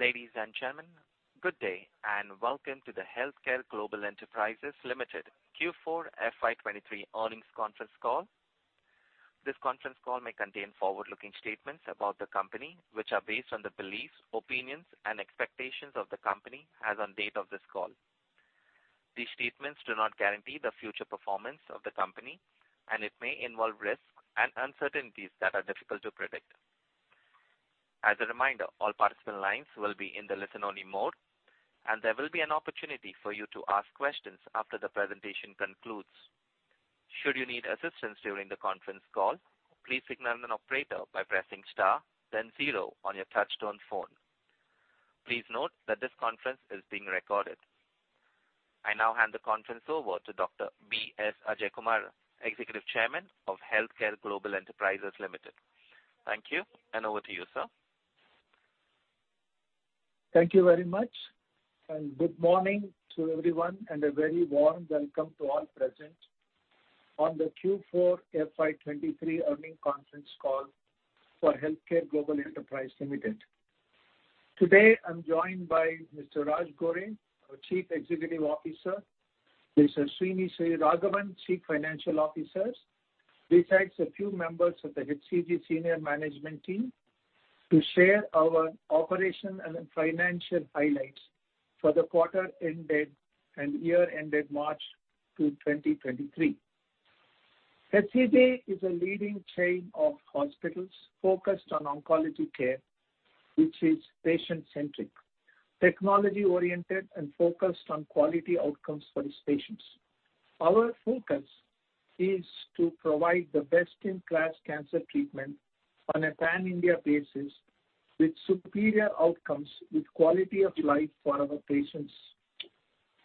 Ladies and gentlemen, good day, welcome to the HealthCare Global Enterprises Limited Q4 FY 2023 earnings conference call. This conference call may contain forward-looking statements about the company, which are based on the beliefs, opinions, and expectations of the company as on date of this call. These statements do not guarantee the future performance of the company. It may involve risks and uncertainties that are difficult to predict. As a reminder, all participant lines will be in the listen-only mode. There will be an opportunity for you to ask questions after the presentation concludes. Should you need assistance during the conference call, please signal an operator by pressing star, then zero on your touchtone phone. Please note that this conference is being recorded. I now hand the conference over to Dr. B.S. Ajai Kumar, Executive Chairman of HealthCare Global Enterprises Limited. Thank you. Over to you, sir. Thank you very much, good morning to everyone, and a very warm welcome to all present on the Q4 FY 2023 earning conference call for HealthCare Global Enterprises Limited. Today, I'm joined by Mr. Raj Gore, our Chief Executive Officer, Mr. Srinivasa Raghavan, Chief Financial Officers, besides a few members of the HCG senior management team, to share our operation and financial highlights for the quarter ended and year ended March 2023. HCG is a leading chain of hospitals focused on oncology care, which is patient-centric, technology-oriented, and focused on quality outcomes for its patients. Our focus is to provide the best-in-class cancer treatment on a pan-India basis, with superior outcomes, with quality of life for our patients.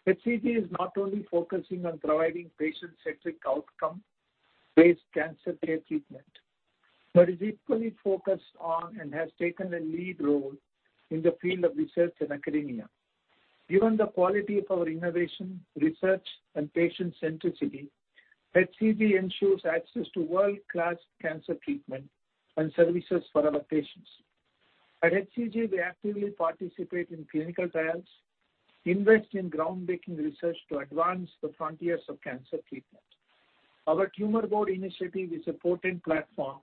HCG is not only focusing on providing patient-centric outcome-based cancer care treatment, but is equally focused on and has taken a lead role in the field of research and academia. Given the quality of our innovation, research, and patient centricity, HCG ensures access to world-class cancer treatment and services for our patients. At HCG, we actively participate in clinical trials, invest in groundbreaking research to advance the frontiers of cancer treatment. Our Tumor Board initiative is a potent platform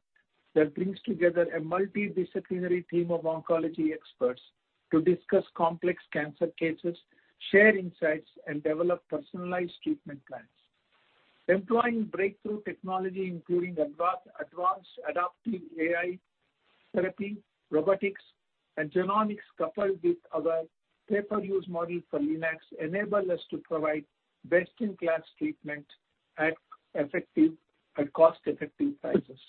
that brings together a multidisciplinary team of oncology experts to discuss complex cancer cases, share insights, and develop personalized treatment plans. Employing breakthrough technology, including advanced adaptive AI therapy, robotics, and genomics, coupled with our pay-per-use model for Linac, enable us to provide best-in-class treatment at effective and cost-effective prices.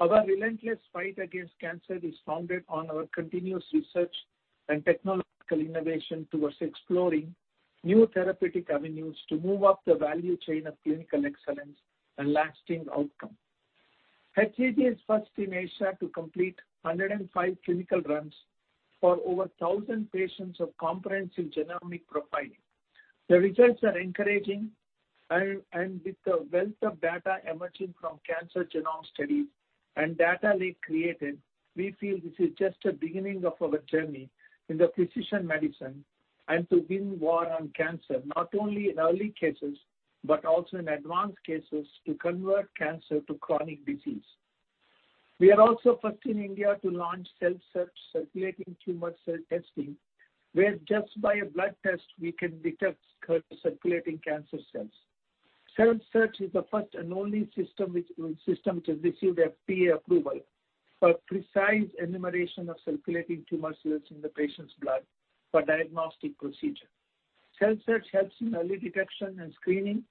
Our relentless fight against cancer is founded on our continuous research and technological innovation towards exploring new therapeutic avenues to move up the value chain of clinical excellence and lasting outcome. HCG is first in Asia to complete 105 clinical runs for over 1,000 patients of comprehensive genomic profiling. The results are encouraging, and with the wealth of data emerging from cancer genome studies and data we created, we feel this is just the beginning of our journey in the precision medicine and to win war on cancer, not only in early cases, but also in advanced cases to convert cancer to chronic disease. We are also first in India to launch CELLSEARCH circulating tumor cell testing, where just by a blood test, we can detect circulating cancer cells. CELLSEARCH is the first and only system which has received FDA approval for precise enumeration of circulating tumor cells in the patient's blood for diagnostic procedure. CELLSEARCH helps in early detection and screening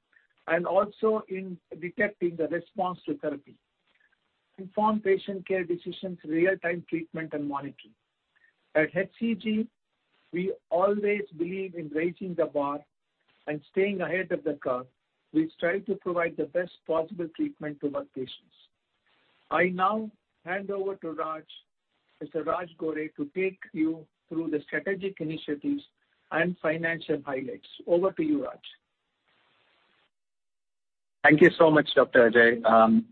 and also in detecting the response to therapy, inform patient care decisions, real-time treatment, and monitoring. At HCG, we always believe in raising the bar and staying ahead of the curve. We strive to provide the best possible treatment to our patients. I now hand over to Raj, Mr. Raj Gore, to take you through the strategic initiatives and financial highlights. Over to you, Raj. Thank you so much, Dr. Ajay.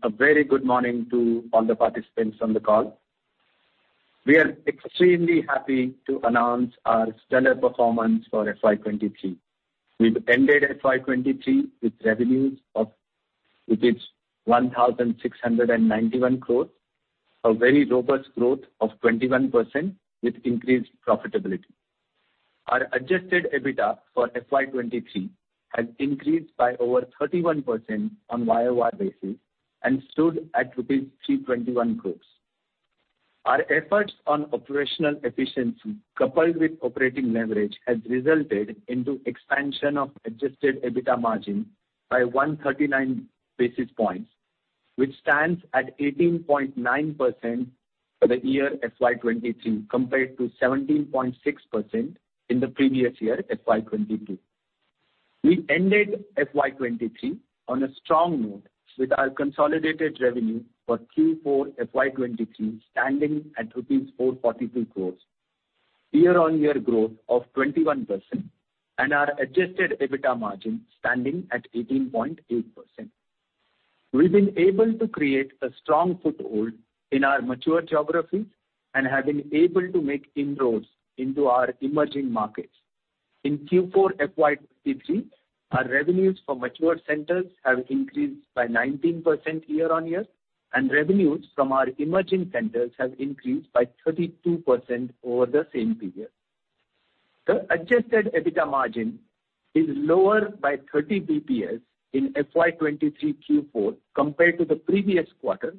a very good morning to all the participants on the call. We are extremely happy to announce our stellar performance for FY 2023. We've ended FY 2023 with revenues of 1,691 crores, a very robust growth of 21% with increased profitability. Our Adjusted EBITDA for FY 2023 has increased by over 31% on YOY basis and stood at rupees 321 crores. Our efforts on operational efficiency, coupled with operating leverage, has resulted into expansion of Adjusted EBITDA margin by 139 basis points, which stands at 18.9% for the year FY 2023, compared to 17.6% in the previous year, FY 2022. We ended FY 2023 on a strong note with our consolidated revenue for Q4 FY 2023, standing at rupees 442 crores, year-on-year growth of 21%, and our Adjusted EBITDA margin standing at 18.8%. We've been able to create a strong foothold in our mature geographies and have been able to make inroads into our emerging markets. In Q4 FY 2023, our revenues from mature centers have increased by 19% year-on-year, and revenues from our emerging centers have increased by 32% over the same period. The Adjusted EBITDA margin is lower by 30 BPS in FY 2023 Q4 compared to the previous quarter,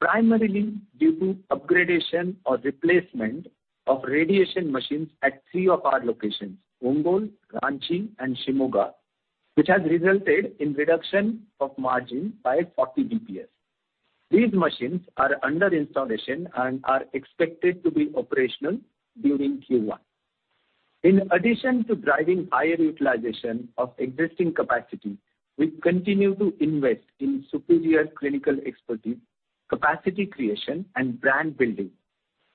primarily due to up-gradation or replacement of radiation machines at three of our locations, Ongole, Ranchi, and Shimoga, which has resulted in reduction of margin by 40 BPS. These machines are under installation and are expected to be operational during Q1. In addition to driving higher utilization of existing capacity, we continue to invest in superior clinical expertise, capacity creation, and brand building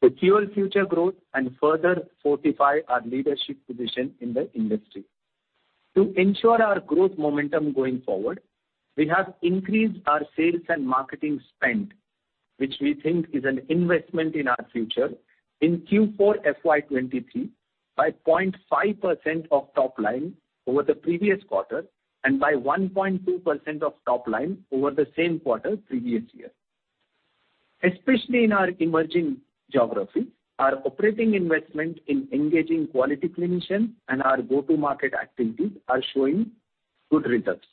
to fuel future growth and further fortify our leadership position in the industry. To ensure our growth momentum going forward, we have increased our sales and marketing spend, which we think is an investment in our future, in Q4 FY 2023 by 0.5% of top line over the previous quarter and by 1.2% of top line over the same quarter previous year. Especially in our emerging geographies, our operating investment in engaging quality clinicians and our go-to-market activities are showing good results.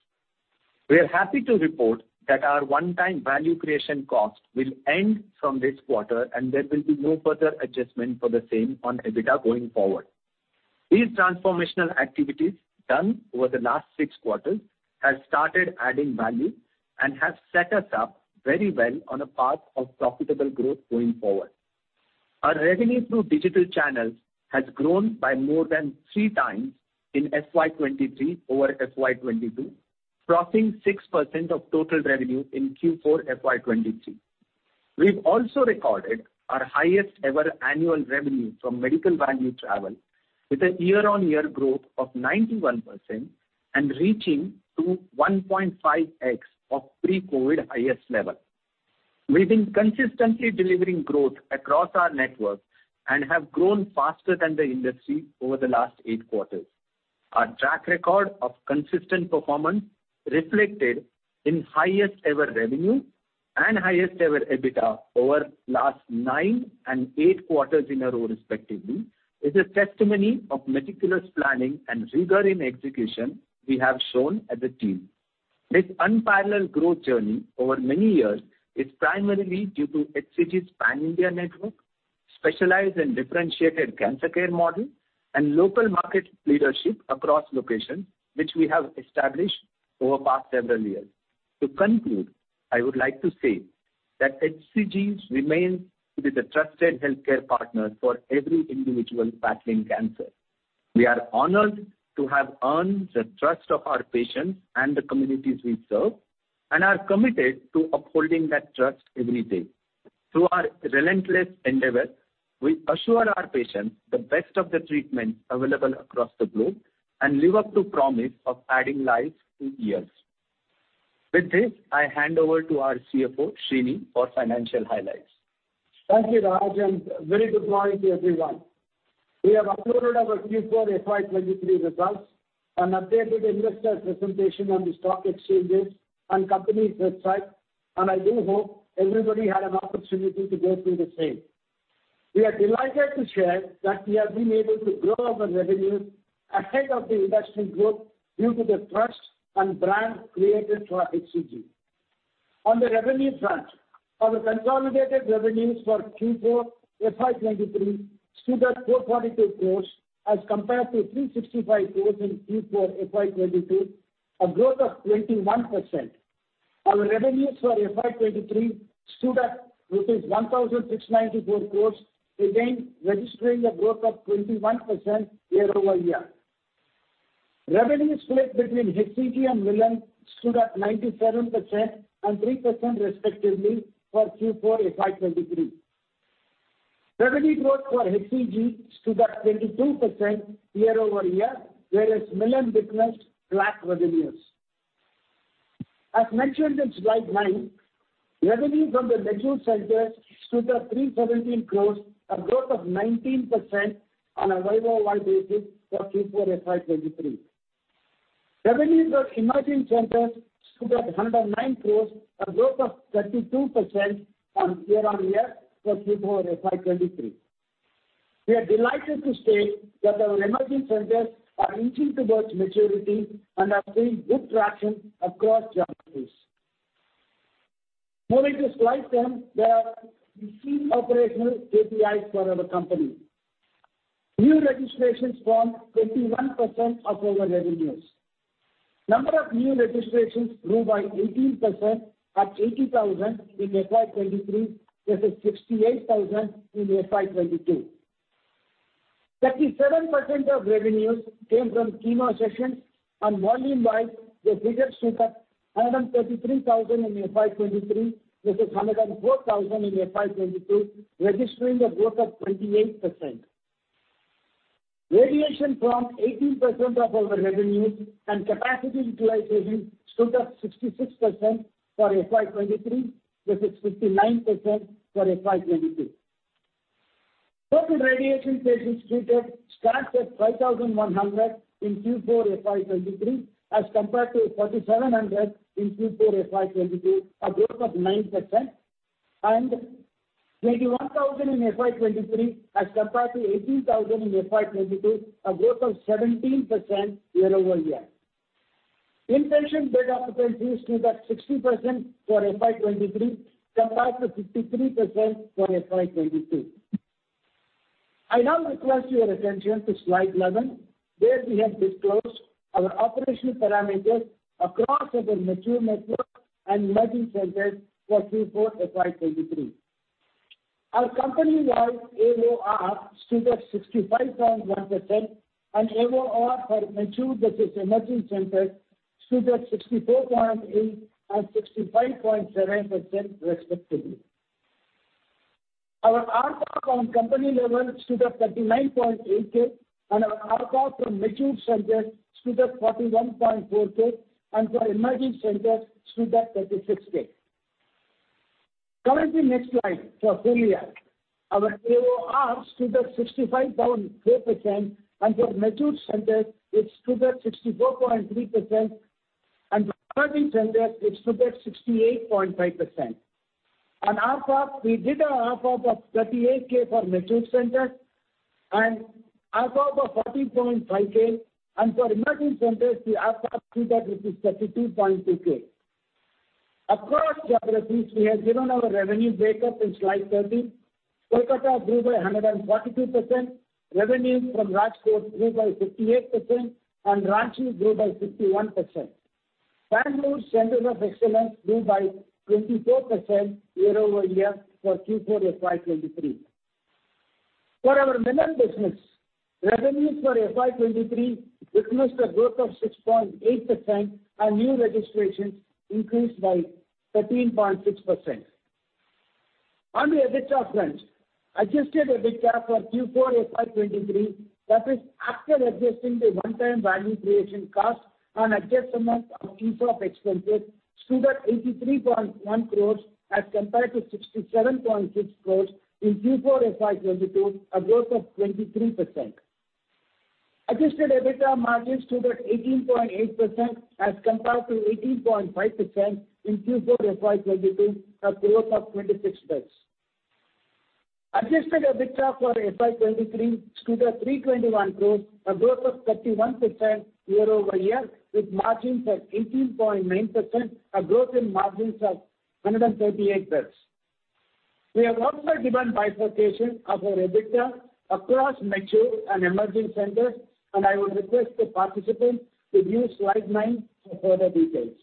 We are happy to report that our one-time value creation cost will end from this quarter, and there will be no further adjustment for the same on EBITDA going forward. These transformational activities done over the last six quarters have started adding value and have set us up very well on a path of profitable growth going forward. Our revenue through digital channels has grown by more than three times in FY 2023 over FY 2022, crossing 6% of total revenue in Q4 FY 2023. We've also recorded our highest-ever annual revenue from medical value travel, with a year-on-year growth of 91% and reaching to 1.5x of pre-COVID highest level. We've been consistently delivering growth across our network and have grown faster than the industry over the last eight quarters. Our track record of consistent performance reflected in highest-ever revenue and highest-ever EBITDA over last nine and eight quarters in a row, respectively, is a testimony of meticulous planning and rigor in execution we have shown as a team. This unparalleled growth journey over many years is primarily due to HCG's pan-India network, specialized and differentiated cancer care model, and local market leadership across locations, which we have established over past several years. To conclude, I would like to say that HCG remains to be the trusted healthcare partner for every individual battling cancer. We are honored to have earned the trust of our patients and the communities we serve, and are committed to upholding that trust every day. Through our relentless endeavor, we assure our patients the best of the treatment available across the globe and live up to promise of adding life to years. With this, I hand over to our CFO, Srini, for financial highlights. Thank you, Raj, and very good morning to everyone. We have uploaded our Q4 FY 2023 results and updated investor presentation on the stock exchanges and company's website, and I do hope everybody had an opportunity to go through the same. We are delighted to share that we have been able to grow our revenues ahead of the industry growth due to the trust and brand created for HCG. On the revenue front, our consolidated revenues for Q4 FY 2023 stood at 442 crores, as compared to 365 crores in Q4 FY 2022, a growth of 21%. Our revenues for FY 2023 stood at 1,694 crores, again registering a growth of 21% year-over-year. Revenue split between HCG and Milann stood at 97% and 3%, respectively, for Q4 FY 2023. Revenue growth for HCG stood at 22% year-over-year, whereas Milann witnessed flat revenues. As mentioned in slide nine, revenues from the mature centers stood at 317 crores, a growth of 19% on a YOY basis for Q4 FY 2023. Revenues for emerging centers stood at 109 crores, a growth of 32% on year-on-year for Q4 FY 2023. We are delighted to state that our emerging centers are inching towards maturity and are seeing good traction across geographies. Moving to slide 10, there are key operational KPIs for our company. New registrations form 51% of our revenues. Number of new registrations grew by 18% at 80,000 in FY 2023 versus 68,000 in FY 2022. 37% of revenues came from chemo sessions, and volume-wise, the figures stood at 133,000 in FY 2023 versus 104,000 in FY 2022, registering a growth of 28%. Radiation from 18% of our revenues and capacity utilization stood at 66% for FY 2023, that is 59% for FY 2022. Total radiation patients treated stood at 5,100 in Q4 FY 2023, as compared to 4,700 in Q4 FY 2022, a growth of 9%, and 21,000 in FY 2023 as compared to 18,000 in FY 2022, a growth of 17% year-over-year. Intention bed occupancy stood at 60% for FY 2023, compared to 53% for FY 2022. I now request your attention to slide 11, where we have disclosed our operational parameters across our mature network and emerging centers for Q4 FY 2023. Our company-wide AOR stood at 65.1%, and AOR for mature versus emerging centers stood at 64.8% and 65.7% respectively. Our ARPOB on company level stood at 39.8 K, and our ARPOB for mature centers stood at 41.4 K, and for emerging centers stood at 36 K. Coming to the next slide for full year, our AOR stood at 65.3%, and for mature centers, it stood at 64.3%, and for emerging centers, it stood at 68.5%. On ARPOB, we did an ARPOB of 38 K for mature centers and ARPOB of 14.5 K, and for emerging centers, the ARPOB stood at which is 32.2 K. Across geographies, we have given our revenue break up in slide 13. Kolkata grew by 142%. Revenues from Rajkot grew by 58%, and Ranchi grew by 51%. Bangalore Center of Excellence grew by 24% year-over-year for Q4 FY 2023. For our Milann business, revenues for FY 2023 witnessed a growth of 6.8%, and new registrations increased by 13.6%. On the EBITDA front, Adjusted EBITDA for Q4 FY 2023, that is after adjusting the one-time value creation cost and adjustment of ESOP expenses, stood at 83.1 crores as compared to 67.6 crores in Q4 FY 2022, a growth of 23%. Adjusted EBITDA margin stood at 18.8% as compared to 18.5% in Q4 FY 2022, a growth of 26 basis. Adjusted EBITDA for FY 2023 stood at 321 crores, a growth of 31% year-over-year, with margins at 18.9%, a growth in margins of 138 basis. We have also given bifurcation of our EBITDA across mature and emerging centers, and I would request the participants to view slide nine for further details.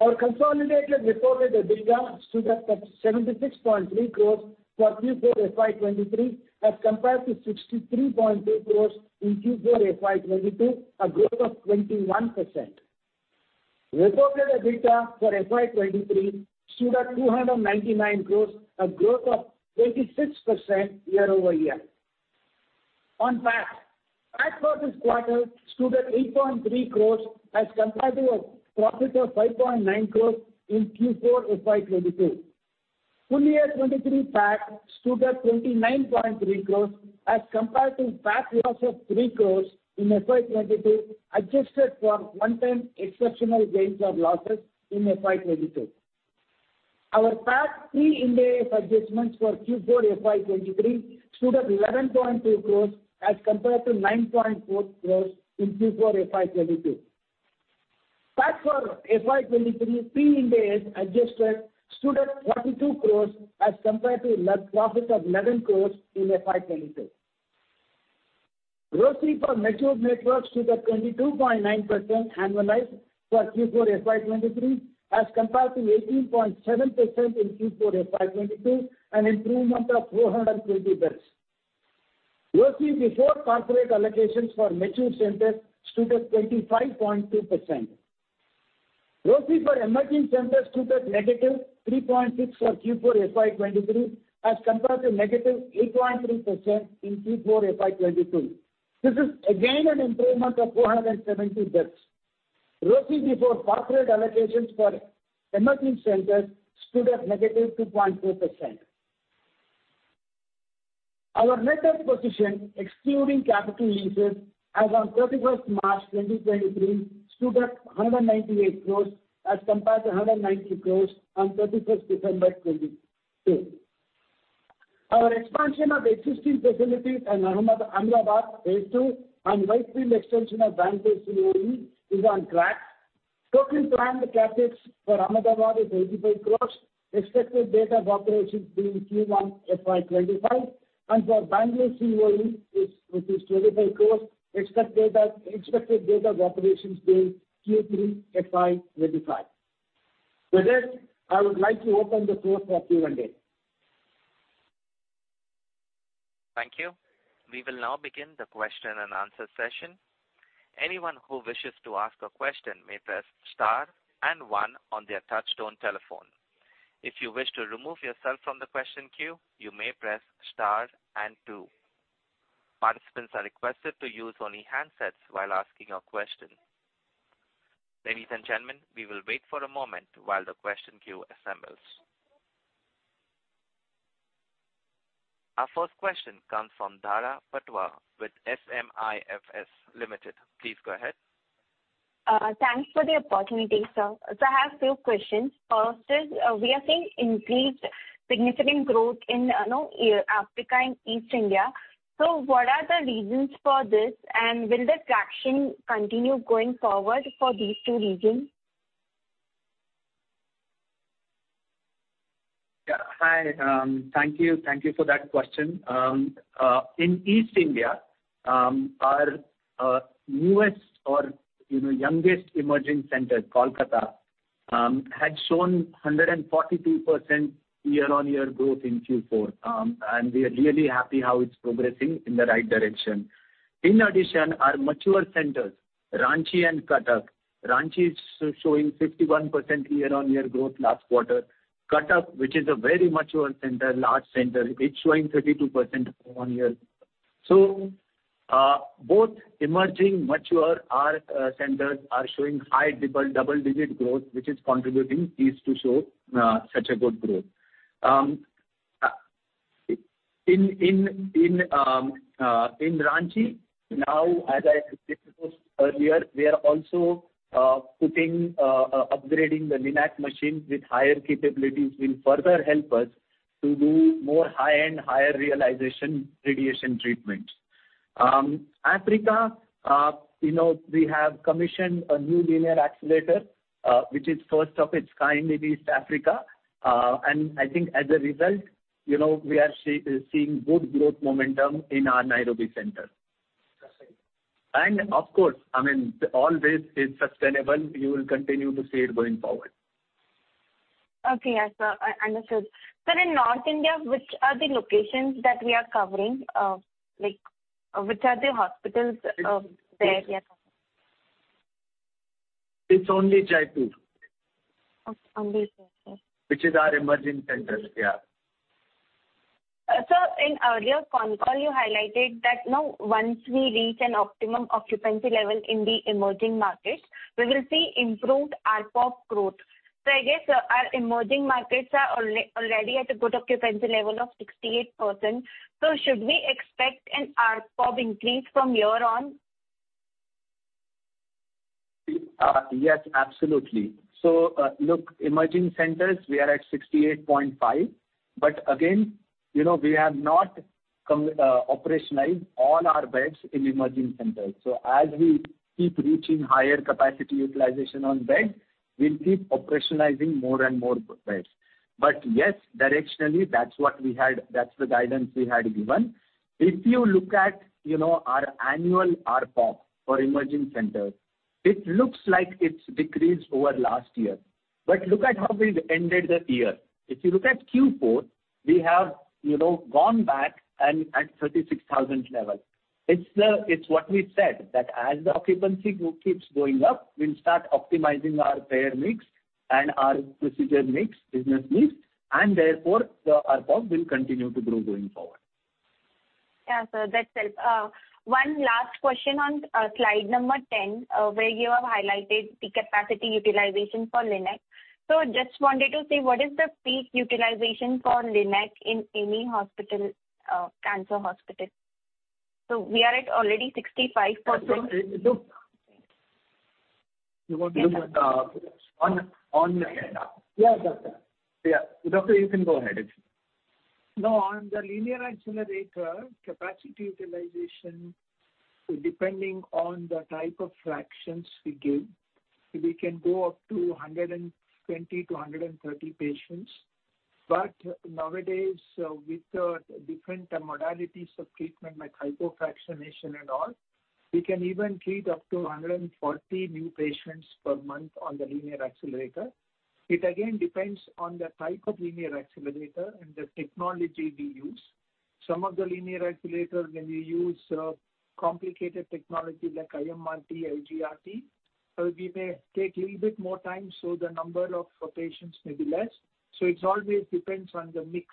Our consolidated reported EBITDA stood at 76.3 crores for Q4 FY 2023, as compared to 63.2 crores in Q4 FY 2022, a growth of 21%. Reported EBITDA for FY 2023 stood at 299 crores, a growth of 26% year-over-year. On PACC for this quarter stood at 8.3 crores as compared to a profit of 5.9 crores in Q4 FY 2022. Full year 2023 PACC stood at 29.3 crores as compared to PACC loss of 3 crores in FY 2022, adjusted for one-time exceptional gains or losses in FY 2022. Our PACC pre-Ind AS adjustments for Q4 FY 2023 stood at 11.2 crores as compared to 9.4 crores in Q4 FY 2022. PACC for FY 2023, pre-Ind AS adjusted, stood at 42 crores as compared to net profit of 11 crores in FY 2022. ROCE for mature network stood at 22.9% annualized for Q4 FY 2023, as compared to 18.7% in Q4 FY 2022, an improvement of 420 basis. ROCE before corporate allocations for mature centers stood at 25.2%. ROCE for emerging centers stood at -3.6% for Q4 FY 2023, as compared to -8.3% in Q4 FY 2022. This is again an improvement of 470 basis. ROCE before corporate allocations for emerging centers stood at -2.2%. Our net cash position, excluding capital leases, as on 31st March 2023, stood at 198 crores as compared to 190 crores on 31st December 2022. Our expansion of existing facilities in Ahmedabad, phase two, and Whitefield extension of Bangalore COE is on track. Total planned CapEx for Ahmedabad is 85 crores, expected date of operation being Q1 FY 2025, and for Bangalore COE is, it is INR 25 crores, expected date of operation being Q3 FY 2025. With this, I would like to open the floor for Q&A. Thank you. We will now begin the question and answer session. Anyone who wishes to ask a question may press star and one on their touch-tone telephone. If you wish to remove yourself from the question queue, you may press star and two. Participants are requested to use only handsets while asking a question. Ladies and gentlemen, we will wait for a moment while the question queue assembles. Our first question comes from Dhara Patwa with SMIFS Limited. Please go ahead. Thanks for the opportunity, sir. I have two questions. First is, we are seeing increased significant growth in, you know, Africa and East India. What are the reasons for this? Will the traction continue going forward for these two regions? Yeah. Hi, thank you. Thank you for that question. In East India, our newest or, you know, youngest emerging center, Kolkata, had shown 142% year-on-year growth in Q4. We are really happy how it's progressing in the right direction. In addition, our mature centers, Ranchi and Cuttack. Ranchi is showing 51% year-on-year growth last quarter. Cuttack, which is a very mature center, large center, it's showing 32% on year. Both emerging, mature, our centers are showing high double-digit growth, which is contributing east to show such a good growth. In Ranchi, now, as I said earlier, we are also putting upgrading the LINAC machine with higher capabilities, will further help us to do more high-end, higher realization radiation treatments. Africa, you know, we have commissioned a new linear accelerator, which is first of its kind in East Africa. I think as a result, you know, we are seeing good growth momentum in our Nairobi center. Of course, I mean, all this is sustainable. You will continue to see it going forward. Okay, yeah, sir, I understood. Sir, in North India, which are the locations that we are covering? Like, which are the hospitals, there we are covering? It's only Jaipur. Okay. Only Jaipur. Which is our emerging centers, yeah. Sir, in earlier concall, you highlighted that, you know, once we reach an optimum occupancy level in the emerging markets, we will see improved ARPOB growth. I guess our emerging markets are already at a good occupancy level of 68%. Should we expect an ARPOB increase from here on? Yes, absolutely. Look, emerging centers, we are at 68.5%. Again, you know, we have not operationalized all our beds in emerging centers. As we keep reaching higher capacity utilization on beds, we'll keep operationalizing more and more beds. Yes, directionally, that's what we had, that's the guidance we had given. If you look at, you know, our annual ARPOB for emerging centers, it looks like it's decreased over last year. Look at how we've ended the year. If you look at Q4, we have, you know, gone back and at 36,000 level. It's what we said, that as the occupancy group keeps going up, we'll start optimizing our payer mix and our procedure mix, business mix, and therefore, the ARPOB will continue to grow going forward. Yeah, sir. That's it. One last question on slide number 10, where you have highlighted the capacity utilization for LINAC. Just wanted to say, what is the peak utilization for LINAC in any hospital, cancer hospital? We are at already 65%. Look, you want to look at, on... Yeah, doctor. Yeah. Doctor, you can go ahead. On the linear accelerator capacity utilization, depending on the type of fractions we give, we can go up to 120 to 130 patients. Nowadays, with the different modalities of treatment, like hypofractionation and all, we can even treat up to 140 new patients per month on the linear accelerator. It again depends on the type of linear accelerator and the technology we use. Some of the linear accelerator, when we use complicated technology like IMRT, IGRT, we may take a little bit more time, so the number of patients may be less. It always depends on the mix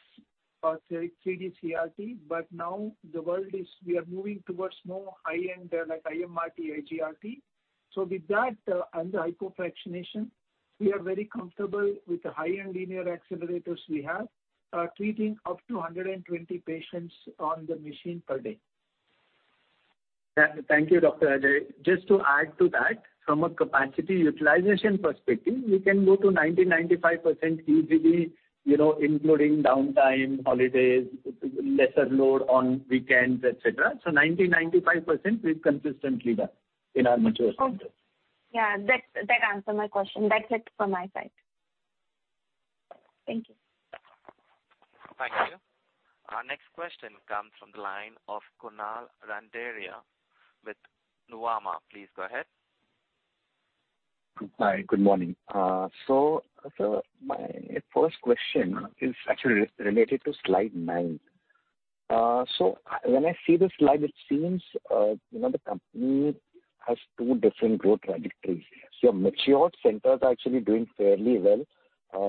of 3DCRT, but now we are moving towards more high-end, like IMRT, IGRT. With that, and the hypofractionation, we are very comfortable with the high-end linear accelerators we have, treating up to 120 patients on the machine per day. Yeah. Thank you, Dr. Ajai. Just to add to that, from a capacity utilization perspective, we can go to 90%-95% easily, you know, including downtime, holidays, lesser load on weekends, et cetera. 90%-95%, we've consistently done in our mature centers. Yeah, that answered my question. That's it from my side. Thank you. Thank you. Our next question comes from the line of Kunal Randeria with Nuvama. Please go ahead. Hi, good morning. My first question is actually related to slide nine. When I see the slide, it seems, you know, the company has two different growth trajectories. Your mature centers are actually doing fairly well,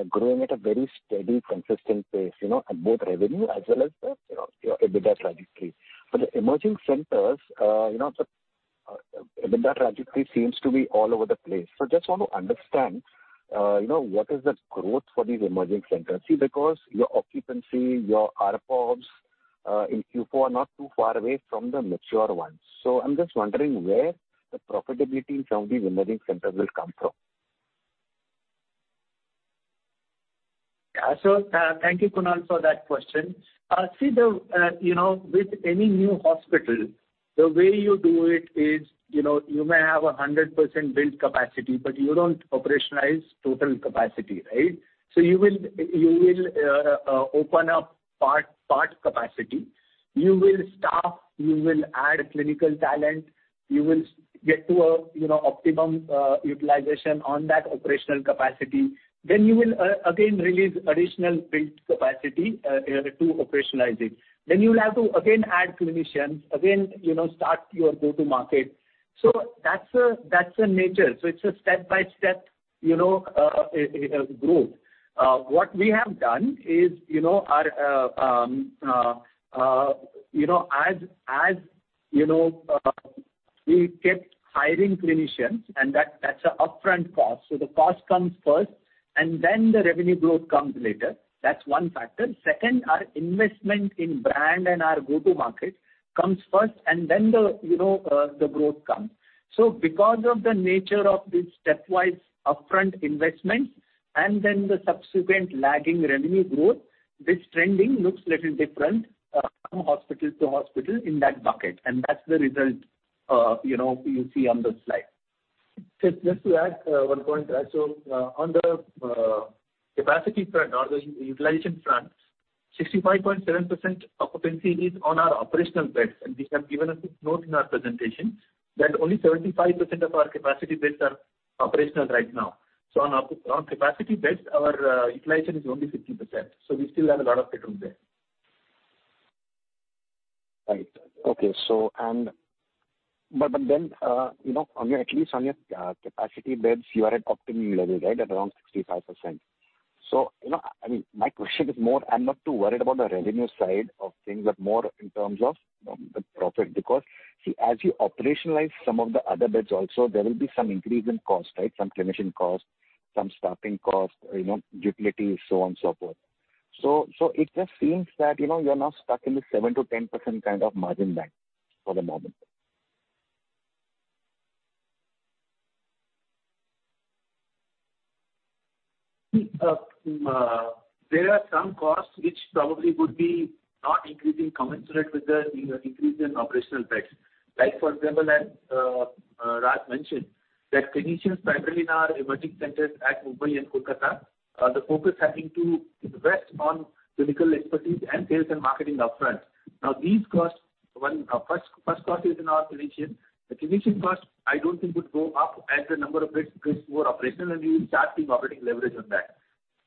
growing at a very steady, consistent pace, you know, at both revenue as well as the, you know, your EBITDA trajectory. The emerging centers, you know, the EBITDA trajectory seems to be all over the place. I just want to understand, you know, what is the growth for these emerging centers? See, because your occupancy, your RPOBs, in Q4 are not too far away from the mature ones. I'm just wondering where the profitability from these emerging centers will come from. Yeah. Thank you, Kunal, for that question. See the, you know, with any new hospital, the way you do it is, you know, you may have 100% built capacity, but you don't operationalize total capacity, right? You will open up part capacity. You will staff, you will add clinical talent, you will get to a, you know, optimum utilization on that operational capacity. Then you will again release additional built capacity to operationalize it. Then you will have to again, add clinicians, again, you know, start your go-to-market. That's the nature. It's a step-by-step, you know, growth. What we have done is, you know, our, you know, as you know, we kept hiring clinicians, and that's a upfront cost. The cost comes first, and then the revenue growth comes later. That's one factor. Second, our investment in brand and our go-to-market comes first, and then the, you know, the growth comes. Because of the nature of this stepwise upfront investment and then the subsequent lagging revenue growth, this trending looks little different from hospital to hospital in that bucket, and that's the result, you know, you see on the slide. Just to add one point. On the capacity front or the utilization front, 65.7% occupancy is on our operational beds, and we have given a note in our presentation that only 75% of our capacity beds are operational right now. On, on capacity beds, our utilization is only 50%, so we still have a lot of headroom there. Right. Okay, but then, you know, on your, at least on your, capacity beds, you are at optimum level, right, at around 65%. You know, I mean, my question is more I'm not too worried about the revenue side of things, but more in terms of the profit, because, see, as you operationalize some of the other beds also, there will be some increase in cost, right? Some clinician costs, some staffing costs, you know, utilities, so on and so forth. So it just seems that, you know, you're now stuck in the 7%-10% kind of margin band for the moment. There are some costs which probably would be not increasing commensurate with the increase in operational beds. Like, for example, as Raj mentioned, that clinicians primarily in our emerging centers at Mumbai and Kolkata, the focus having to invest on clinical expertise and sales and marketing upfront. Now, these costs, first cost is in our clinician. The clinician cost, I don't think would go up as the number of beds gets more operational, and we will start seeing operating leverage on that.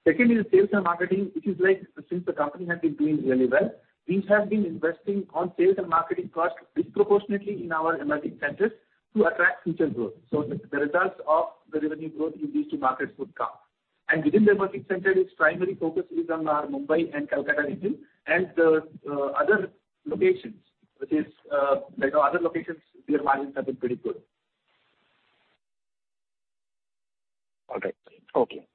Secondly, the sales and marketing, which is like since the company has been doing really well, we have been investing on sales and marketing costs disproportionately in our emerging centers to attract future growth. The results of the revenue growth in these two markets would come. Within the emerging centers, its primary focus is on our Mumbai and Kolkata region, and the other locations, which is like our other locations, their margins have been pretty good. All right. Okay, fine.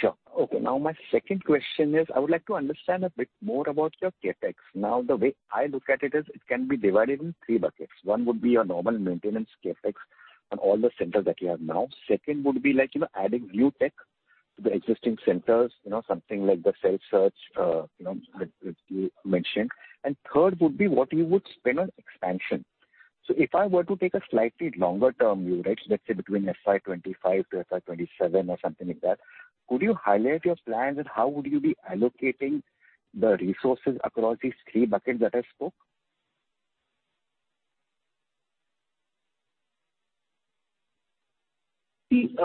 Sure. Okay, now, my second question is, I would like to understand a bit more about your CapEx. Now, the way I look at it is it can be divided in three buckets. One would be your normal maintenance CapEx on all the centers that you have now. Second, would be like, you know, adding new tech to the existing centers, you know, something like the CELLSEARCH, you know, which you mentioned. Third would be what you would spend on expansion. If I were to take a slightly longer-term view, right, let's say between FY 2025 to FY 2027 or something like that, could you highlight your plans and how would you be allocating the resources across these three buckets that I spoke? See,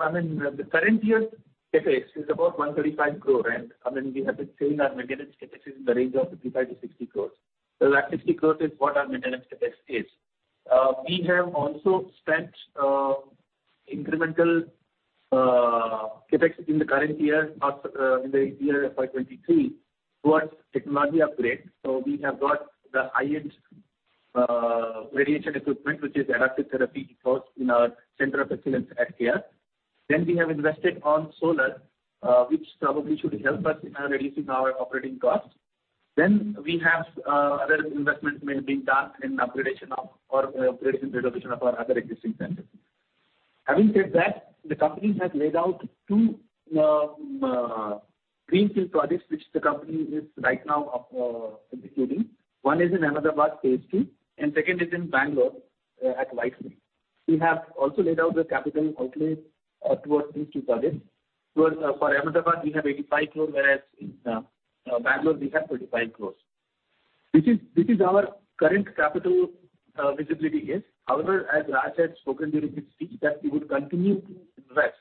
I mean, the current year CapEx is about 135 crore, and, I mean, we have been saying our maintenance CapEx is in the range of 55 crore-60 crore. 60 crore is what our maintenance CapEx is. We have also spent incremental CapEx in the current year, in the year FY 2023, towards technology upgrade. We have got the highest radiation equipment, which is adaptive therapy, because in our center of excellence at here. We have invested on solar, which probably should help us in reducing our operating costs. We have other investments may have been done in upgradation renovation of our other existing centers. Having said that, the company has laid out two greenfield projects, which the company is right now executing. One is in Ahmedabad, phase II, and second is in Bangalore, at Whitefield. We have also laid out the capital outlay towards these two projects. Towards for Ahmedabad, we have 85 crores, whereas Bangalore, we have 35 crores. This is our current capital visibility, yes. However, as Raj has spoken during his speech, that we would continue to invest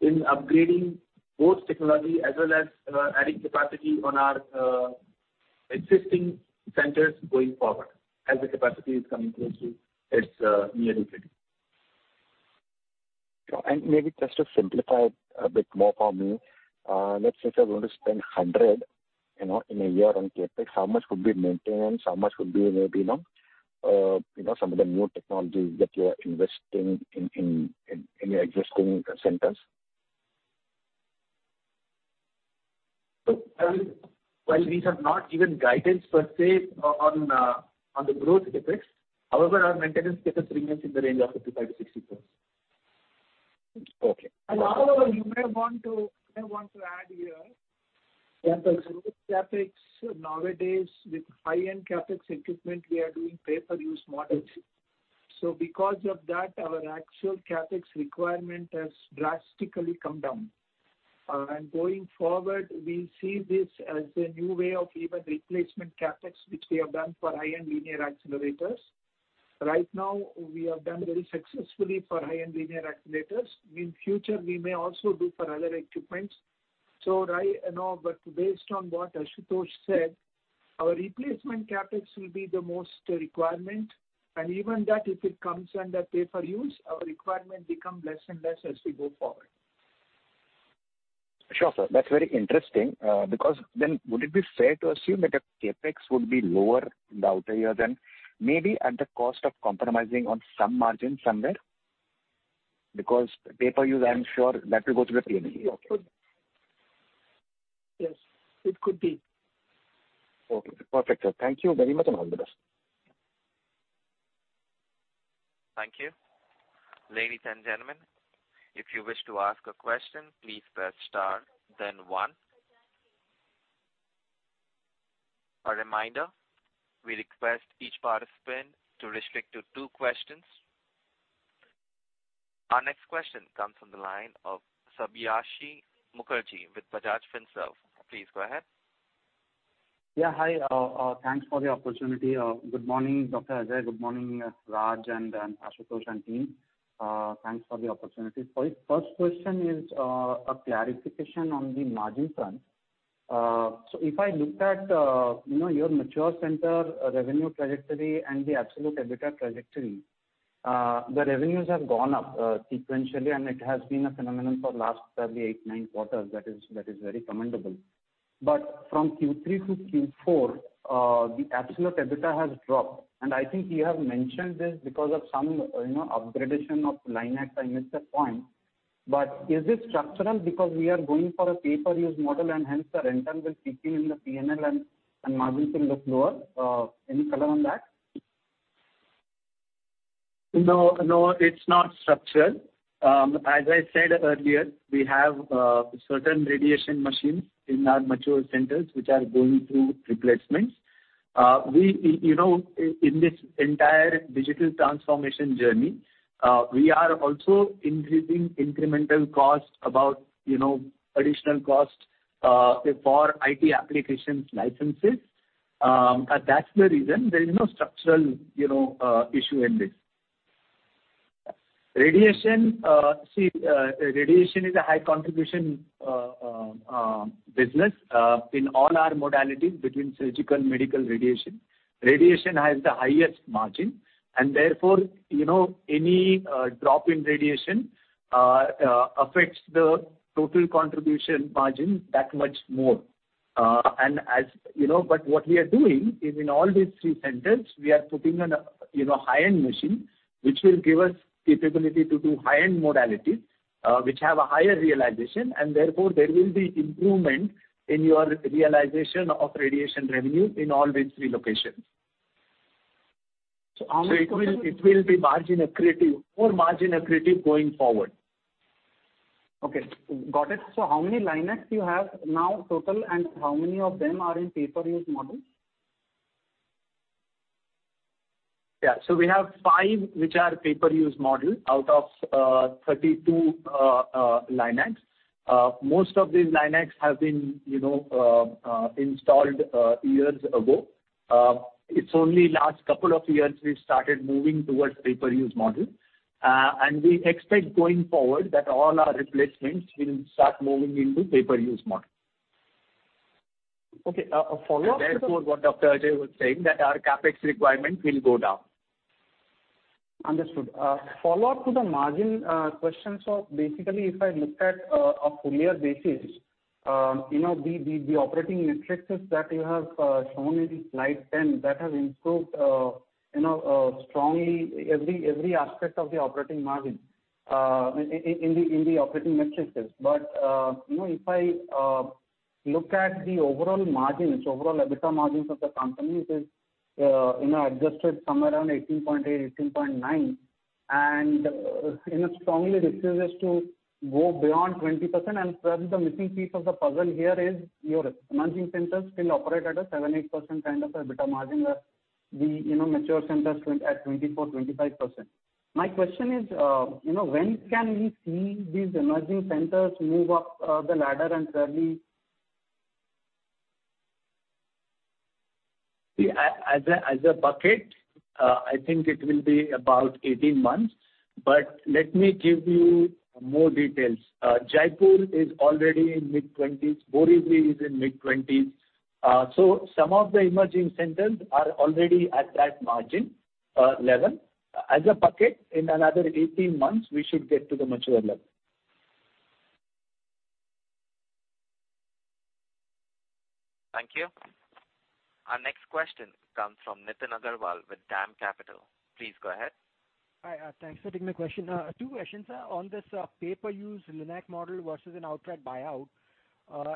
in upgrading both technology as well as adding capacity on our existing centers going forward, as the capacity is coming close to its near liquidity. Maybe just to simplify it a bit more for me, let's say if you're going to spend 100, you know, in a year on CapEx, how much would be maintenance? How much would be maybe, not, you know, some of the new technologies that you are investing in your existing centers? I mean, while we have not given guidance per se on the growth CapEx, however, our maintenance CapEx remains in the range of 55%-60%. Okay. However, you may want to add here, that the growth CapEx nowadays with high-end CapEx equipment, we are doing pay-per-use models. Because of that, our actual CapEx requirement has drastically come down. Going forward, we see this as a new way of even replacement CapEx, which we have done for high-end linear accelerators. Right now, we have done very successfully for high-end linear accelerators. In future, we may also do for other equipments. Right now, but based on what Ashutosh said, our replacement CapEx will be the most requirement, and even that, if it comes under pay-per-use, our requirement become less and less as we go forward. Sure, sir, that's very interesting. Then would it be fair to assume that the CapEx would be lower in the outer year, than maybe at the cost of compromising on some margin somewhere? Pay-per-use, I'm sure that will go through the P&L. Yes, it could be. Okay, perfect, sir. Thank you very much, and all the best. Thank you. Ladies and gentlemen, if you wish to ask a question, please press star then one. A reminder, we request each participant to restrict to two questions. Our next question comes from the line of Sabyasachi Mukerji with Bajaj Finserv. Please go ahead. Yeah, hi. Thanks for the opportunity. Good morning, Dr. Ajai. Good morning, Raj and Ashutosh and team. Thanks for the opportunity. First question is a clarification on the margin front. If I look at, you know, your mature center revenue trajectory and the absolute EBITDA trajectory, the revenues have gone up sequentially, and it has been a phenomenon for last probably eight, nine quarters. That is very commendable. From Q3 to Q4, the absolute EBITDA has dropped, and I think you have mentioned this because of some, you know, upgradation of LINACs, I missed that point. Is this structural? Because we are going for a pay-per-use model, and hence the rental will keep in the PNL and margin will look lower. Any color on that? No, no, it's not structural. As I said earlier, we have certain radiation machines in our mature centers, which are going through replacements. We, you know, in this entire digital transformation journey, we are also increasing incremental cost about, you know, additional cost for IT applications licenses. That's the reason there is no structural, you know, issue in this. Radiation, see, radiation is a high contribution business in all our modalities between surgical and medical radiation. Radiation has the highest margin, and therefore, you know, any drop in radiation affects the total contribution margin that much more. As you know, what we are doing is in all these three centers, we are putting in a, you know, high-end machine, which will give us capability to do high-end modalities, which have a higher realization, therefore there will be improvement in your realization of radiation revenue in all these three locations. It will be margin accretive, more margin accretive going forward. Okay, got it. How many LINACs you have now, total, and how many of them are in pay-per-use model? Yeah. We have five, which are pay-per-use model out of 32 LINACs. Most of these LINACs have been, you know, installed years ago. It's only last couple of years, we started moving towards pay-per-use model. We expect going forward that all our replacements will start moving into pay-per-use model. Okay, a follow-up. What Dr. Ajai was saying, that our CapEx requirement will go down. Understood. Follow-up to the margin question. Basically, if I look at a full year basis, you know, the operating metrics that you have shown in the slide 10, that has improved, you know, strongly every aspect of the operating margin in the operating matrices. You know, if I look at the overall margins, overall EBITDA margins of the company, it is, you know, adjusted somewhere around 18.8%, 18.9%, and, you know, strongly refuses to go beyond 20%. Perhaps the missing piece of the puzzle here is your financing centers still operate at a 7%, 8% kind of a EBITDA margin the, you know, mature centers at 24%, 25%. My question is, you know, when can we see these emerging centers move up the ladder. See, as a bucket, I think it will be about 18 months, but let me give you more details. Jaipur is already in mid-20s%, Borivali is in mid-20s%. Some of the emerging centers are already at that margin level. As a bucket, in another 18 months, we should get to the mature level. Thank you. Our next question comes from Nitin Agarwal with DAM Capital. Please go ahead. Hi, thanks for taking the question. Two questions, sir. On this pay-per-use LINAC model versus an outright buyout,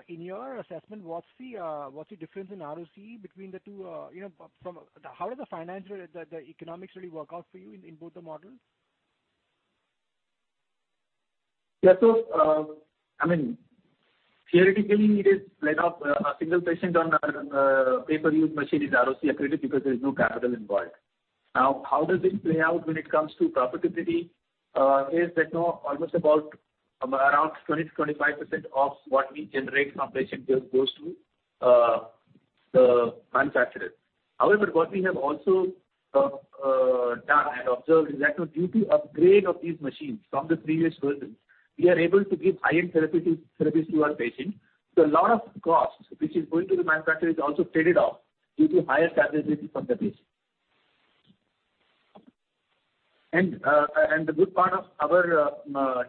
in your assessment, what's the difference in ROC between the two, you know, how did the financial, the economics really work out for you in both the models? Yeah. I mean, theoretically, it is like a single patient on pay-per-use machine is ROC accredited because there's no capital involved. Now, how does it play out when it comes to profitability? Is that now almost about around 20% to 25% of what we generate from patient goes to the manufacturer. However, what we have also done and observed is that due to upgrade of these machines from the previous versions, we are able to give high-end therapies to our patients. A lot of costs, which is going to the manufacturer, is also traded off due to higher profitability from the base. The good part of our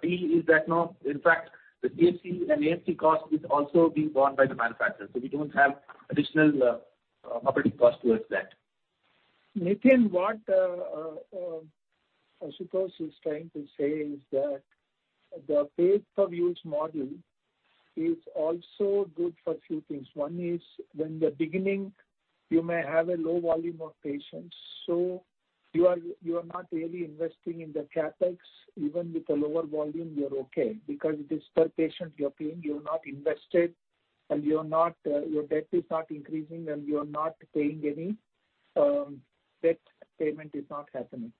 deal is that now, in fact, the PFC and AFC cost is also being borne by the manufacturer. We don't have additional operating costs towards that. Nitin, what Ashutosh is trying to say is that the pay-per-use model is also good for a few things. One is, when the beginning, you may have a low volume of patients, you are not really investing in the CapEx. Even with a lower volume, you're okay, because it is per patient you're paying, you're not invested, and you're not, your debt is not increasing, and you are not paying any debt payment is not happening.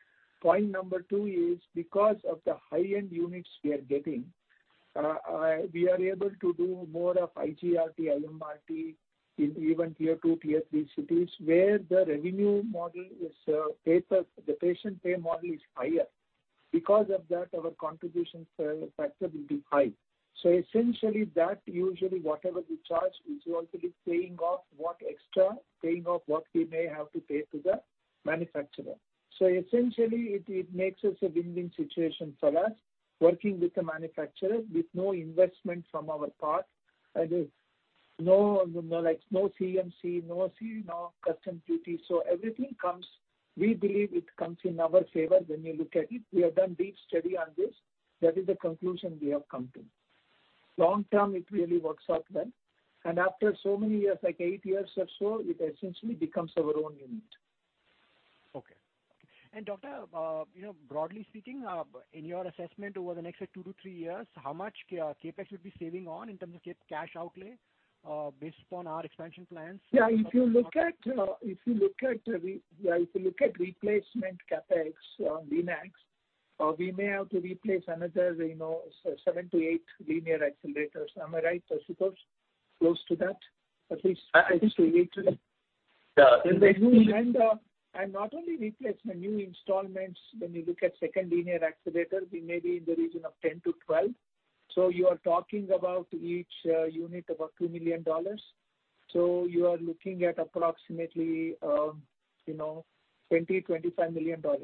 Point number two is because of the high-end units we are getting, we are able to do more of IGRT, IMRT, in even tier two, tier three cities, where the revenue model is The patient pay model is higher. Of that, our contribution factor will be high. Essentially, that usually whatever we charge, it will also be paying off what extra, paying off what we may have to pay to the manufacturer. Essentially, it makes us a win-win situation for us, working with the manufacturer, with no investment from our part, and no, like, no CMC, no custom duty. Everything comes. We believe it comes in our favor when you look at it. We have done deep study on this. That is the conclusion we have come to. Long term, it really works out well. After so many years, like eight years or so, it essentially becomes our own unit. Okay. Doctor, you know, broadly speaking, in your assessment over the next two to three years, how much CapEx would be saving on in terms of cash outlay, based upon our expansion plans? Yeah, if you look at, if you look at replacement CapEx, Linacs, we may have to replace another, you know, 7-8 linear accelerators. Am I right, Ashutosh? Close to that, at least, I think we need to. Yeah. Not only replacement, new installments, when you look at second linear accelerator, we may be in the region of 10-12. You are talking about each unit, about $2 million. You are looking at approximately, you know, $20 million-$25 million. Okay.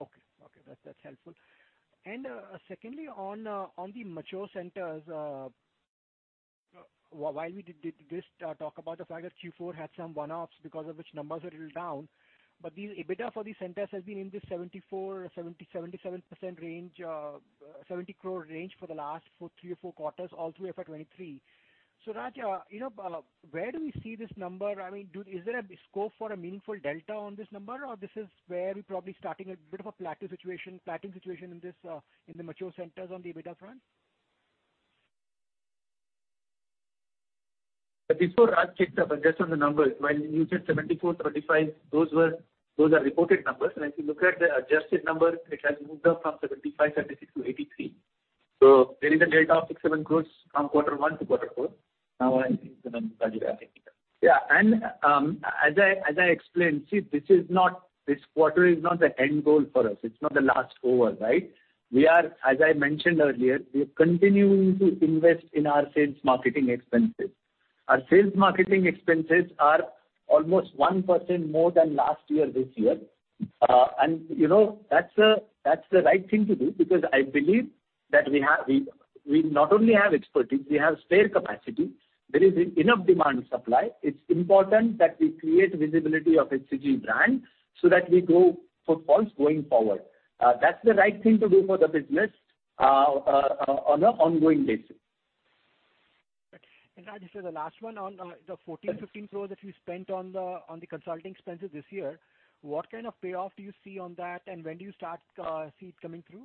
Okay, that's helpful. Secondly, on the mature centers, while we did this talk about the fact that Q4 had some one-offs because of which numbers are little down, but the EBITDA for these centers has been in the 74, 70, 77% range, 70 crore range for the last three or four quarters, all through FY 2023. Raj, you know, where do we see this number? I mean, is there a scope for a meaningful delta on this number, or this is where we're probably starting a bit of a plateauing situation in this, in the mature centers on the EBITDA front? Before Raj takes up, just on the numbers, when you said 74 crore, 35 crore, those are reported numbers. If you look at the adjusted numbers, it has moved up from 75 crore, 76 crore to 83 crore. There is a data of 6 crore, 7 crore from quarter one to quarter four. I think the numbers are there. As I explained, see, this is not, this quarter is not the end goal for us. It's not the last quarter, right? As I mentioned earlier, we are continuing to invest in our sales marketing expenses. Our sales marketing expenses are almost 1% more than last year, this year. You know, that's the right thing to do, because I believe that we not only have expertise, we have spare capacity. There is enough demand and supply. It's important that we create visibility of HCG brand so that we grow footfalls going forward. That's the right thing to do for the business on an ongoing basis. Raj, this is the last one on the 14-15 crores that you spent on the consulting expenses this year. What kind of payoff do you see on that, and when do you start see it coming through?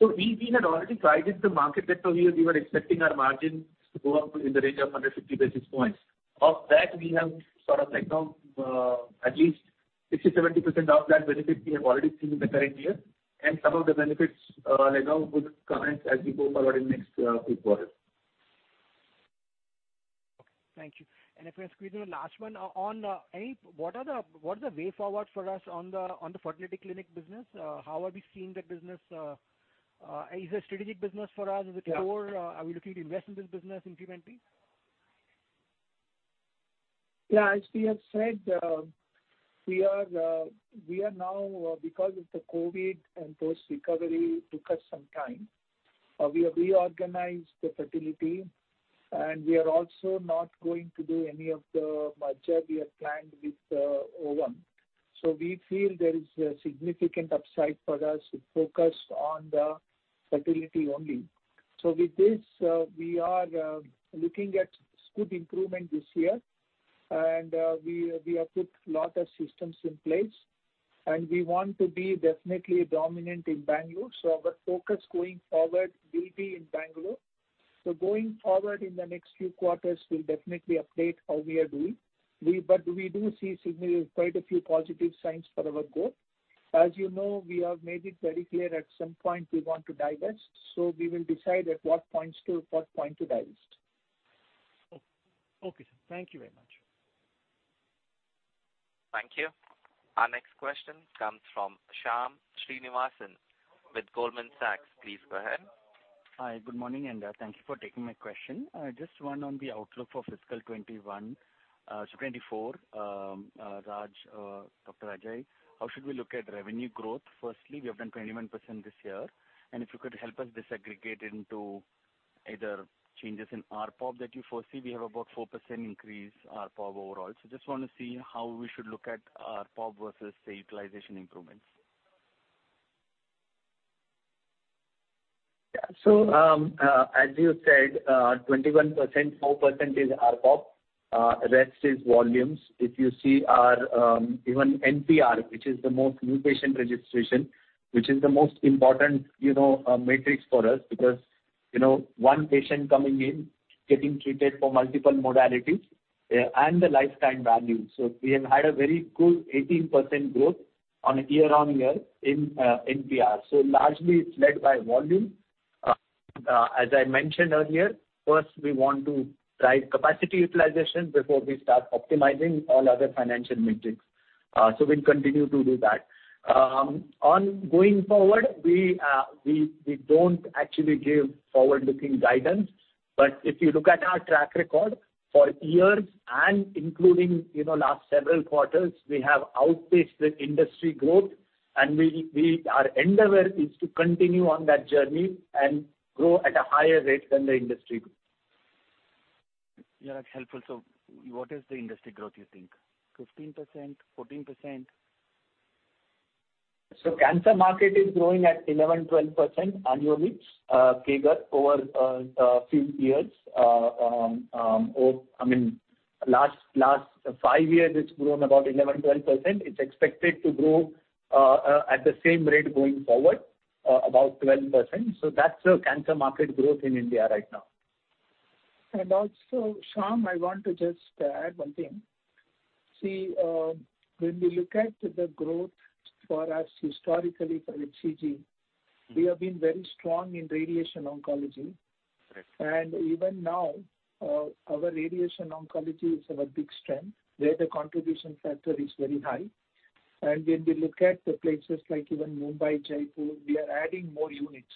We had already guided the market that we were expecting our margin to go up in the range of 150 basis points. Of that, we have sort of like now, at least 60-70% of that benefit we have already seen in the current year. Some of the benefits, like now, would come in as we go forward in next few quarters. Okay, thank you. If I squeeze in a last one, on, what is the way forward for us on the fertility clinic business? How are we seeing the business, is a strategic business for us? Is it core? Are we looking to invest in this business incrementally? Yeah, as we have said, we are, we are now, because of the COVID and post-recovery, took us some time. We have reorganized the fertility, and we are also not going to do any of the merger we have planned with Ovum. We feel there is a significant upside for us to focus on the fertility only. With this, we are looking at good improvement this year, and we have put a lot of systems in place, and we want to be definitely dominant in Bangalore. Our focus going forward will be in Bangalore. Going forward in the next few quarters, we'll definitely update how we are doing. We do see significantly quite a few positive signs for our growth. As you know, we have made it very clear at some point we want to divest, so we will decide at what points to, what point to divest. Okay. Okay, sir. Thank you very much. Thank you. Our next question comes from Shyam Srinivasan with Goldman Sachs. Please go ahead. Hi, good morning, and thank you for taking my question. Just one on the outlook for fiscal 2021, so 2024. Raj, Dr. Ajai, how should we look at revenue growth? Firstly, we have done 21% this year, and if you could help us disaggregate into either changes in RPOP that you foresee, we have about 4% increase RPOP overall. Just want to see how we should look at RPOP versus, say, utilization improvements. Yeah. As you said, 21%, 4% is RPOP, rest is volumes. If you see our even NPR, which is the most new patient registration, which is the most important, you know, matrix for us, because, you know, one patient coming in, getting treated for multiple modalities, and the lifetime value. We have had a very good 18% growth on a year-on-year in NPR. Largely it's led by volume. As I mentioned earlier, first, we want to drive capacity utilization before we start optimizing all other financial metrics. We'll continue to do that. On going forward, we don't actually give forward-looking guidance. If you look at our track record for years and including, you know, last several quarters, we have outpaced the industry growth. Our endeavor is to continue on that journey and grow at a higher rate than the industry growth. Yeah, that's helpful. What is the industry growth, you think? 15%, 14%? Cancer market is growing at 11%-12% annually, CAGR over a few years. I mean, last five years, it's grown about 11%-12%. It's expected to grow at the same rate going forward, about 12%. That's the cancer market growth in India right now. Shyam, I want to just add one thing. When we look at the growth for us historically, for HCG, we have been very strong in radiation oncology. Right. Even now, our radiation oncology is our big strength, where the contribution factor is very high. When we look at the places like even Mumbai, Jaipur, we are adding more units,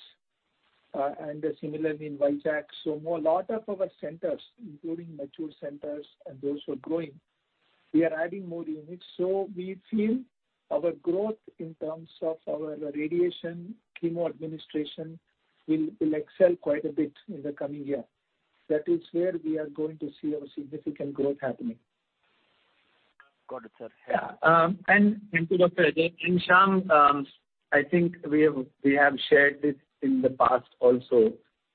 and similarly in Vizag. A lot of our centers, including mature centers and those who are growing, we are adding more units. We feel our growth in terms of our radiation, chemo administration, will excel quite a bit in the coming year. That is where we are going to see a significant growth happening. Got it, sir. Yeah. Thank you, Dr. Ajay. Shyam, I think we have shared this in the past also.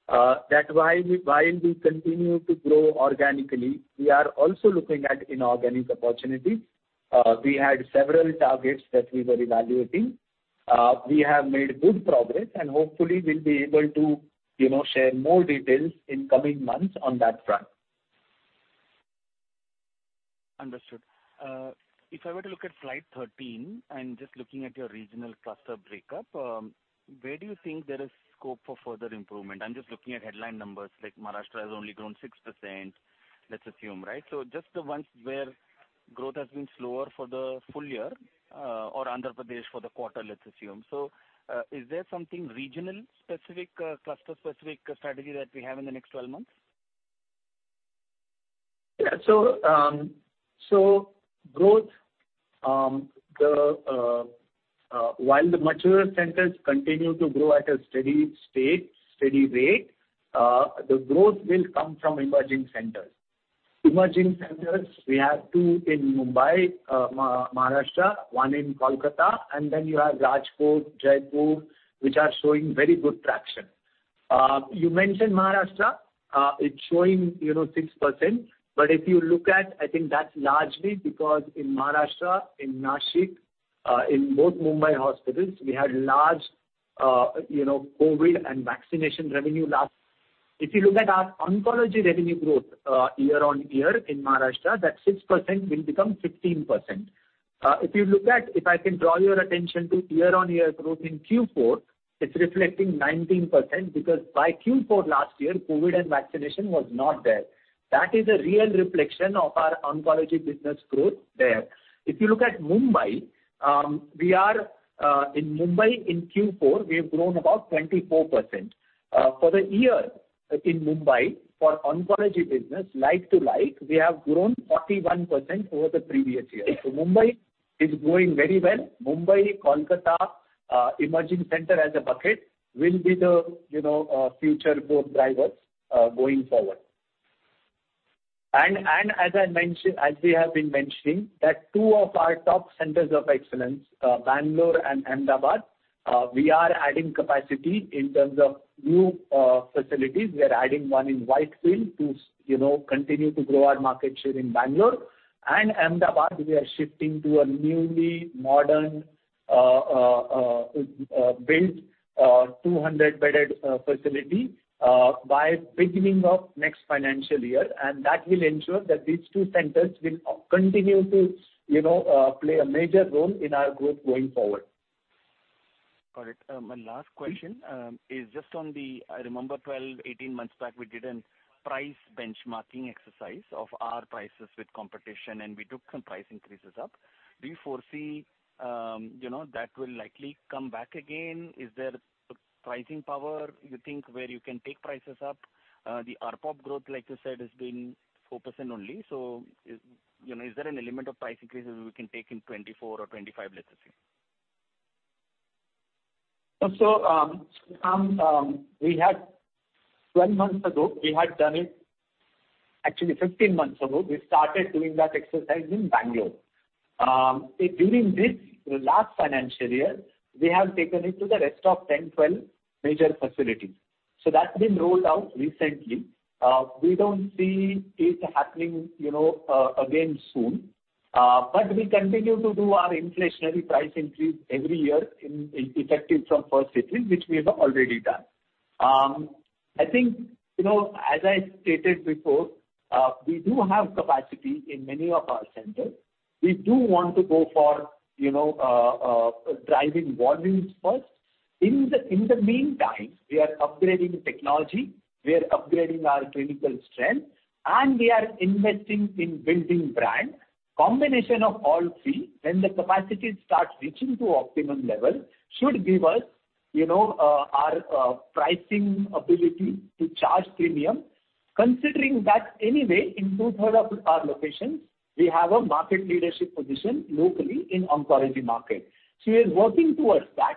While we continue to grow organically, we are also looking at inorganic opportunities. We had several targets that we were evaluating. We have made good progress, and hopefully, we'll be able to, you know, share more details in coming months on that front. Understood. If I were to look at slide 13 and just looking at your regional cluster breakup, where do you think there is scope for further improvement? I'm just looking at headline numbers, like Maharashtra has only grown 6%, let's assume, right? Just the ones where growth has been slower for the full year, or Andhra Pradesh for the quarter, let's assume. Is there something regional-specific, cluster-specific strategy that we have in the next 12 months? While the mature centers continue to grow at a steady state, steady rate, the growth will come from emerging centers. Emerging centers, we have two in Mumbai, Maharashtra, one in Kolkata, you have Rajkot, Jaipur, which are showing very good traction. You mentioned Maharashtra, it's showing, you know, 6%. If you look at, I think that's largely because in Maharashtra, in Nashik, in both Mumbai hospitals, we had large, you know, COVID and vaccination revenue last. If you look at our oncology revenue growth year-on-year in Maharashtra, that 6% will become 15%. If you look at, if I can draw your attention to year-on-year growth in Q4, it's reflecting 19%, because by Q4 last year, COVID and vaccination was not there. That is a real reflection of our oncology business growth there. If you look at Mumbai, we are in Mumbai, in Q4, we have grown about 24%. For the year in Mumbai, for oncology business, like-to-like, we have grown 41% over the previous year. Mumbai is growing very well. Mumbai, Kolkata, emerging center as a bucket will be the, you know, future growth drivers going forward. As we have been mentioning, that two of our top centers of excellence, Bangalore and Ahmedabad, we are adding capacity in terms of new facilities. We are adding one in Whitefield to, you know, continue to grow our market share in Bangalore. Ahmedabad, we are shifting to a newly modern built 200 bedded facility by beginning of next financial year, and that will ensure that these two centers will continue to, you know, play a major role in our growth going forward. Got it. My last question is just I remember 12, 18 months back, we did a price benchmarking exercise of our prices with competition, we took some price increases up. Do you foresee, you know, that will likely come back again? Is there pricing power, you think, where you can take prices up? The RPOP growth, like you said, has been 4% only. You know, is there an element of price increases we can take in 2024 or 2025, let's say? 12 months ago, we had done it, actually 15 months ago, we started doing that exercise in Bangalore. During this last financial year, we have taken it to the rest of 10, 12 major facilities. That's been rolled out recently. We don't see it happening, you know, again soon, but we continue to do our inflationary price increase every year effective from 1st April, which we have already done. I think, you know, as I stated before, we do have capacity in many of our centers. We do want to go for, you know, driving volumes first. In the meantime, we are upgrading technology, we are upgrading our clinical strength, and we are investing in building brand. Combination of all three, when the capacity starts reaching to optimum level, should give us, you know, our pricing ability to charge premium. Considering that anyway, in two-third of our locations, we have a market leadership position locally in oncology market. We are working towards that.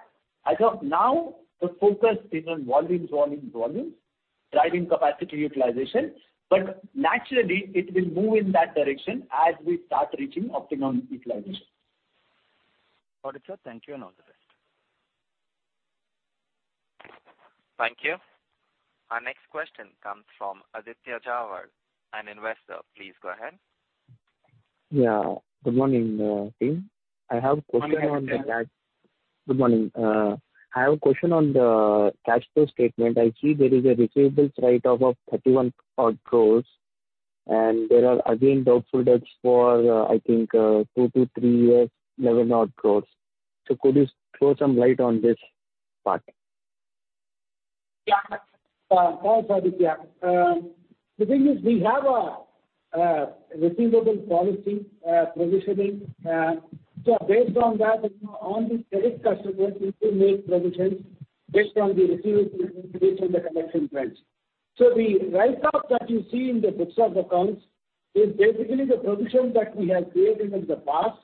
As of now, the focus is on volume, volume, driving capacity utilization, naturally it will move in that direction as we start reaching optimum utilization. Got it, sir. Thank you and all the best. Thank you. Our next question comes from Aditya Jhawar, from Investec. Please go ahead. Yeah, good morning, team. I have a question on the cash- Good morning. Good morning. I have a question on the cash flow statement. I see there is a receivables write-off of 31 odd crores, and there are again doubtful debts for, I think, 2-3 years, INR 11 odd crores. Could you throw some light on this part? Yeah. Hi, Aditya. The thing is, we have a receivables policy, provisioning. Based on that, you know, on the credit customers, we will make provisions based on the receivables and based on the collection trends. The write-off that you see in the books of accounts is basically the provisions that we have created in the past,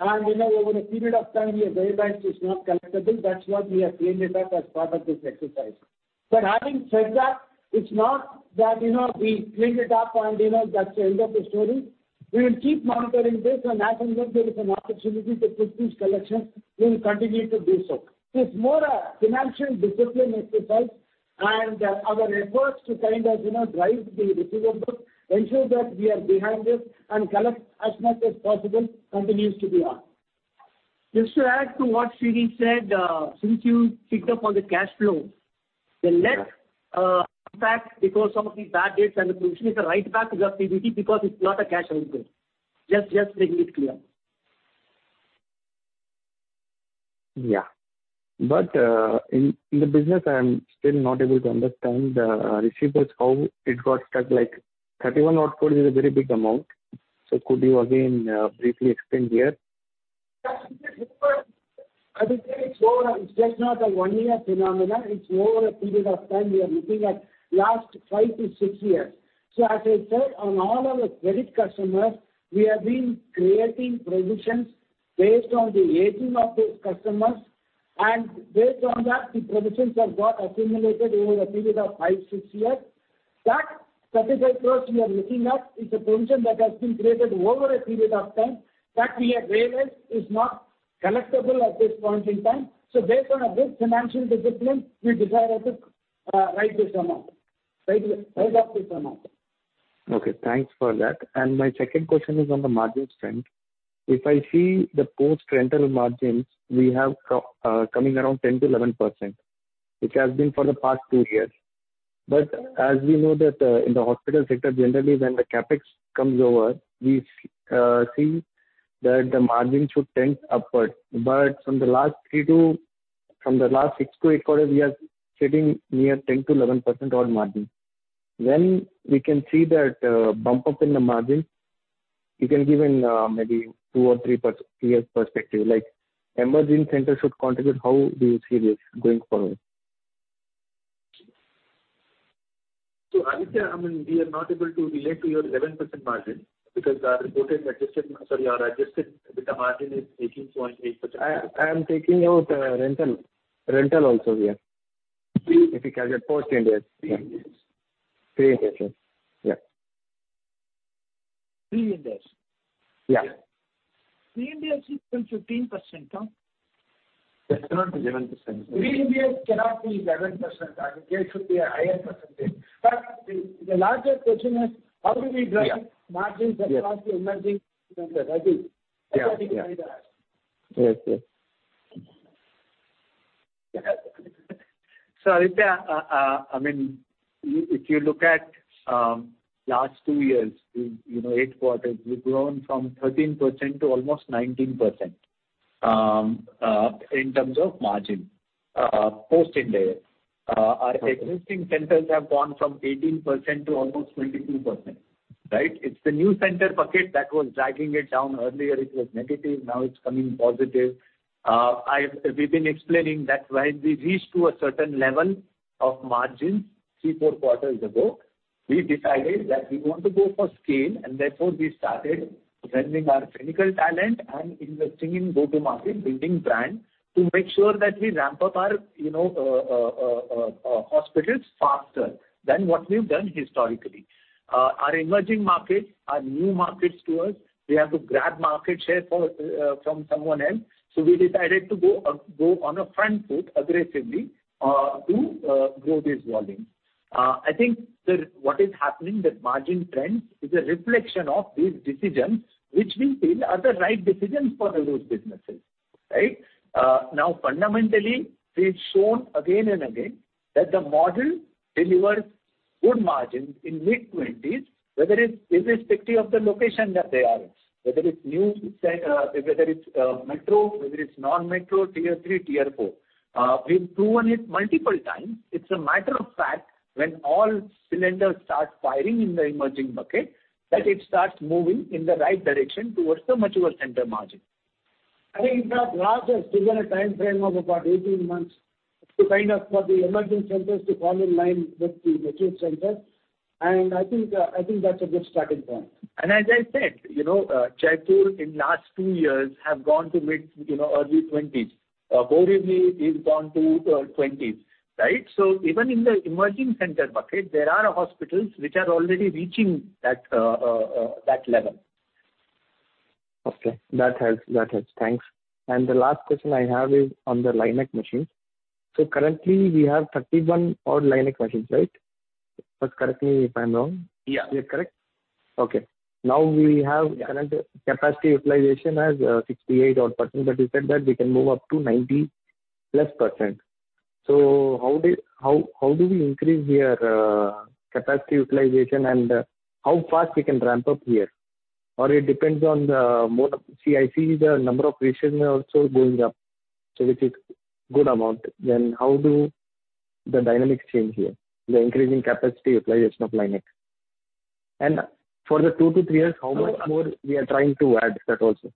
and, you know, over a period of time, we realized it's not collectible. That's what we have cleared it up as part of this exercise. Having said that, it's not that, you know, we cleaned it up and, you know, that's the end of the story. We will keep monitoring this, and as and when there is an opportunity to push these collections, we will continue to do so. It's more a financial discipline exercise and our efforts to kind of, you know, drive the receivables, ensure that we are behind this and collect as much as possible continues to be on. Just to add to what Srini said, since you picked up on the cash flow, the net impact because some of these bad debts and the provision is a write back to the PBT because it's not a cash outflow. Just making it clear. Yeah. In the business, I am still not able to understand the receivables, how it got stuck, like, 31 odd crores is a very big amount. Could you again briefly explain here? Yeah, Aditya, it's just not a one-year phenomenon, it's over a period of time. We are looking at last five to six years. As I said, on all our credit customers, we have been creating provisions based on the aging of those customers, and based on that, the provisions have got accumulated over a period of five, six years. That certified cost we are looking at is a provision that has been created over a period of time, that we have realized is not collectible at this point in time. Based on a good financial discipline, we decided to write off this amount. Okay, thanks for that. My second question is on the margins trend. If I see the post-rental margins, we have coming around 10%-11%, which has been for the past two years. As we know that in the hospital sector, generally, when the CapEx comes over, we see that the margin should tend upward. From the last 6-8 quarters, we are sitting near 10%-11% on margin. When we can see that bump up in the margin, you can give in maybe two or three years perspective, like, emerging centers should contribute, how do you see this going forward? Aditya, I mean, we are not able to relate to your 11% margin, because our reported adjusted, sorry, our adjusted margin is 18.8%. I am taking out rental also here. If you calculate post-indebted. Pre-indebtedness. Pre-indebtedness, yeah. Pre-indebtedness? Yeah. Pre-indebtedness is 10%-15%, no? It's around 11%. Pre-indebtedness cannot be 11%, Aditya, it should be a higher percentage. The larger question is: How do we. Yeah. margins across the emerging center, Raj? Yeah. Yeah. Yes, yes. Aditya Jhawar, I mean, if you look at last two years, you know, eight quarters, we've grown from 13% to almost 19% in terms of margin, post-indebtedness. Our existing centers have gone from 18% to almost 22%, right? It's the new center bucket that was dragging it down. Earlier, it was negative, now it's coming positive. We've been explaining that when we reached to a certain level of margins three, four quarters ago, we decided that we want to go for scale, and therefore, we started blending our clinical talent and investing in go-to-market, building brand, to make sure that we ramp up our, you know, hospitals faster than what we've done historically. Our emerging markets are new markets to us. We have to grab market share for from someone else. We decided to go on a front foot aggressively to grow this volume. I think that what is happening, the margin trend is a reflection of these decisions, which we feel are the right decisions for those businesses, right? Now, fundamentally, we've shown again and again that the model delivers good margins in mid-20s, whether it's irrespective of the location that they are in, whether it's new, whether it's metro, whether it's non-metro, tier 3, tier 4. We've proven it multiple times. It's a matter of fact, when all cylinders start firing in the emerging bucket, that it starts moving in the right direction towards the mature center margin. I think, the Raj has given a timeframe of about 18 months to kind of for the emerging centers to fall in line with the mature centers, and I think, I think that's a good starting point. As I said, you know, Jaipur in last two years have gone to mid, you know, early 20s. Borivali is gone to 20s, right? Even in the emerging center bucket, there are hospitals which are already reaching that that level. Okay, that helps, that helps. Thanks. The last question I have is on the LINAC machines. Currently, we have 31 old LINAC machines, right? Just correct me if I'm wrong. Yeah. Correct. Okay. We have current capacity utilization as 68 odd %, but you said that we can move up to 90+%. How do we increase your capacity utilization, and how fast we can ramp up here? Or it depends on the mode of. I see the number of patients are also going up, which is good amount. How do the dynamics change here, the increasing capacity utilization of LINAC? For the 2-3 years, how much more we are trying to add that also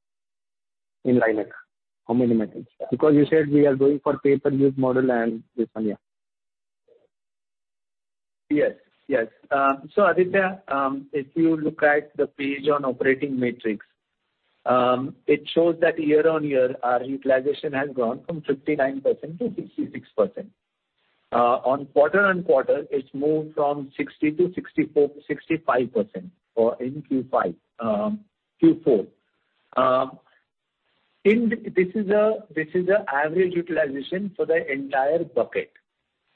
in LINAC, how many machines? You said we are going for pay-per-use model and this one. Yes, yes. Aditya, if you look at the page on operating metrics, it shows that year-over-year, our utilization has grown from 59% to 66%. On quarter-over-quarter, it's moved from 60% to 64%, 65% for in Q4. This is a average utilization for the entire bucket.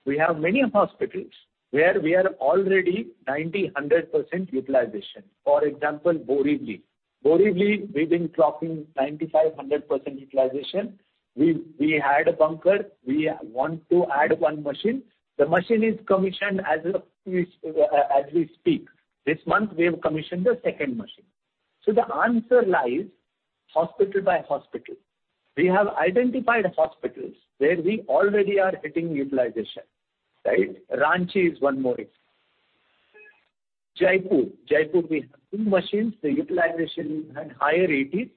We have many hospitals where we are already 90%, 100% utilization. For example, Borivali. Borivali, we've been clocking 95%, 100% utilization. We had a bunker, we want to add one machine. The machine is commissioned as we speak. This month, we have commissioned the second machine. The answer lies hospital by hospital. We have identified hospitals where we already are hitting utilization, right? Ranchi is one more example. Jaipur, we have two machines. The utilization is at higher eighties.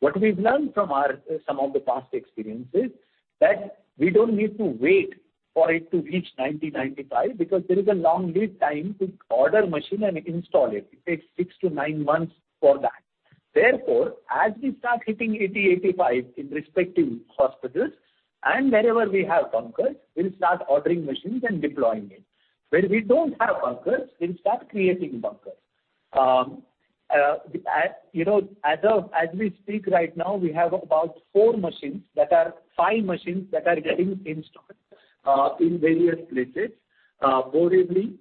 What we've learned from our, some of the past experiences, that we don't need to wait for it to reach 90, 95, because there is a long lead time to order machine and install it. It takes 6-9 months for that. Therefore, as we start hitting 80, 85 in respective hospitals, and wherever we have bunkers, we'll start ordering machines and deploying it. Where we don't have bunkers, we'll start creating bunkers. At, you know, as we speak right now, we have about five machines that are getting installed in various places, Borivali,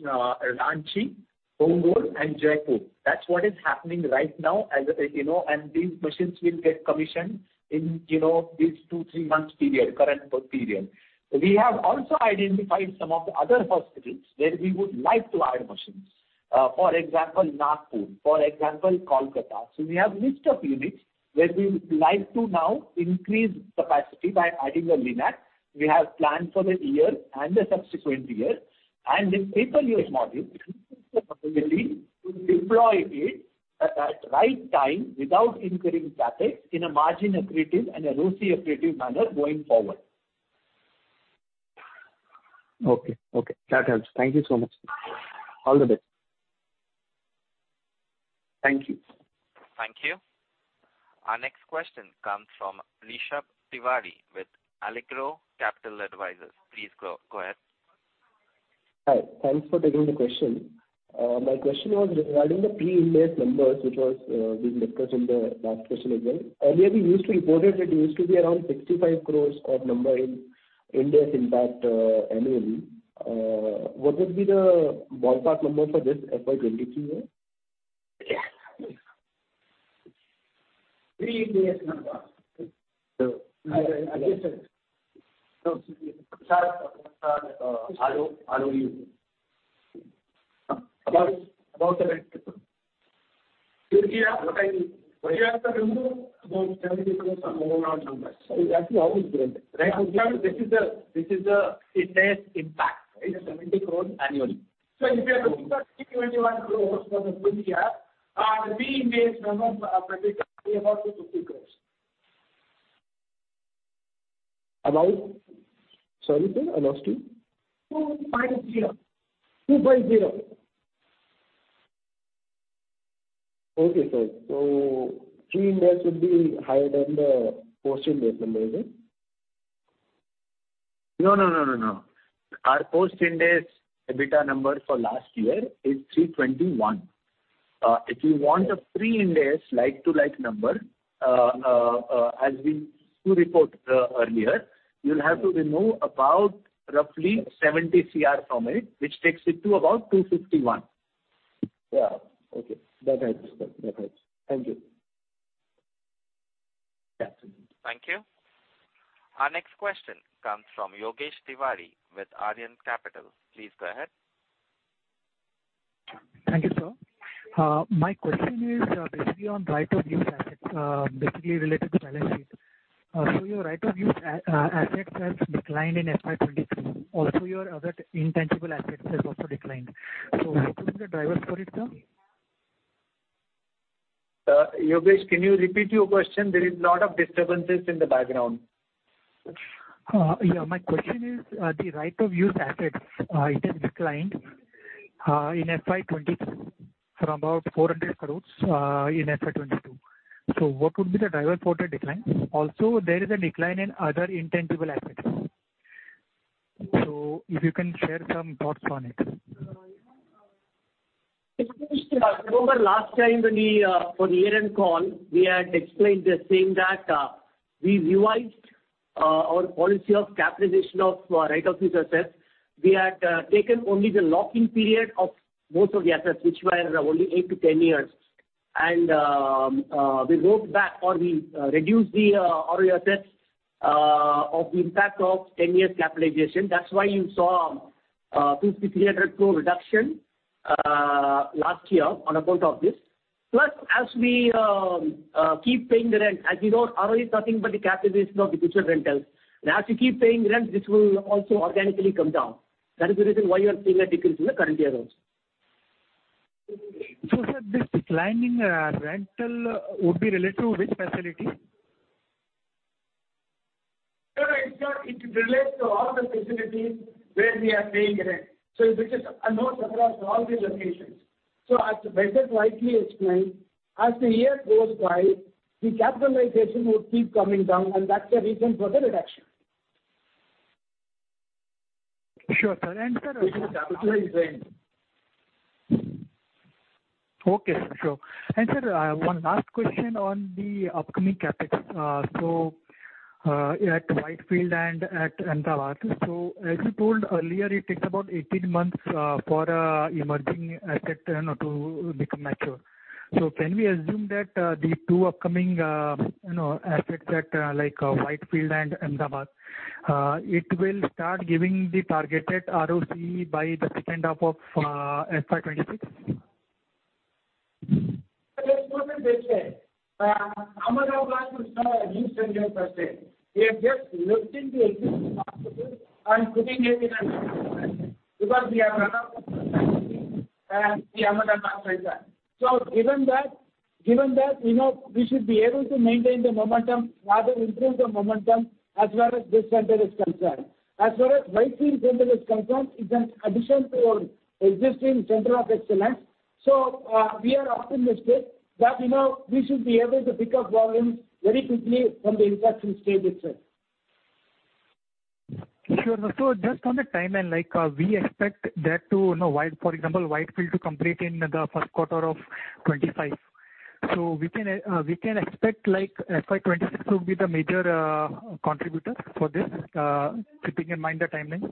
Ranchi, Bangalore, and Jaipur. That's what is happening right now, as, you know, and these machines will get commissioned in, you know, these 2-3 months period, current period. We have also identified some of the other hospitals where we would like to add machines. For example, Nagpur, for example, Kolkata. We have a list of units where we would like to now increase capacity by adding a LINAC. We have plans for this year and the subsequent years. This pay-per-use model, to deploy it at the right time without incurring CapEx in a margin-accretive and a ROCE-accretive manner going forward. Okay. Okay, that helps. Thank you so much. All the best. Thank you. Thank you. Our next question comes from Rishabh Tiwari with Allegro Capital Advisors. Please go ahead. Hi. Thanks for taking the question. My question was regarding the pre-Ind AS numbers, which was being discussed in the last question as well. Earlier, we used to report it used to be around 65 crores of number in Ind AS impact, annually. What would be the ballpark number for this FY 2023 year? Pre-Ind AS numbers? So About the right number. Actually, how is it right? This is the Ind AS impact, right? 70 crore annually. If you are looking at 321 crores for the full year, our pre-Ind AS number predicted will be about 250 crores. About? Sorry, sir, I lost you. 250. Okay, sir. pre-Ind AS would be higher than the post-Ind AS number, is it? No, no, no. Our post-Ind AS EBITDA number for last year is 321 crore. If you want a pre-Ind AS like-to-like number, as we do report earlier, you'll have to remove about roughly 70 crore from it, which takes it to about 251 crore. Yeah. Okay. That helps, sir. That helps. Thank you. Yeah. Thank you. Our next question comes from Yogesh Tiwari with Aryan Capital. Please go ahead. Thank you, sir. My question is basically on right of use assets, basically related to balance sheet. Your right of use assets has declined in FY 2023. Also, your other intangible assets has also declined. What are the drivers for it, sir? Yogesh, can you repeat your question? There is a lot of disturbances in the background. Yeah. My question is, the right of use assets, it has declined in FY 2023 from about 400 crores in FY 2022. What would be the driver for the decline? Also, there is a decline in other intangible assets. If you can share some thoughts on it. Remember last time when we, for the year-end call, we had explained the same that we revised our policy of capitalization of right of use assets. We had taken only the locking period of most of the assets, which were only 8-10 years. We wrote back or we reduced the ROE assets of the impact of 10 years capitalization. That's why you saw 2,300 crore reduction last year on account of this. Plus, as we keep paying the rent, as you know, ROE is nothing but the capitalization of the future rentals. As you keep paying rent, this will also organically come down. That is the reason why you are seeing a decrease in the current year also. Sir, this declining rental would be related to which facility? No, it's not. It relates to all the facilities where we are paying rent. Which is across all the locations. As Venkatesh rightly explained, as the year goes by, the capitalization would keep coming down, and that's the reason for the reduction. Sure, sir. sir- We capitalize rent. Okay, sir. Sure. Sir, one last question on the upcoming CapEx. At Whitefield and at Ahmedabad. As you told earlier, it takes about 18 months for a emerging asset, you know, to become mature. Can we assume that the two upcoming, you know, assets at, like, Whitefield and Ahmedabad, it will start giving the targeted ROCE by the second half of FY 26? Let's put it this way. Ahmedabad is a new center as I said. We are just lifting the existing hospital and putting it in a because we have enough and the Ahmedabad center. Given that, you know, we should be able to maintain the momentum, rather improve the momentum as well as this center is concerned. As far as Whitefield center is concerned, it's an addition to our existing center of excellence. We are optimistic that, you know, we should be able to pick up volumes very quickly from the induction stage itself. Sure. Just on the timeline, like, we expect that to know, for example, Whitefield to complete in the first quarter of 2025. We can, we can expect like FY 2026 to be the major, contributor for this, keeping in mind the timelines?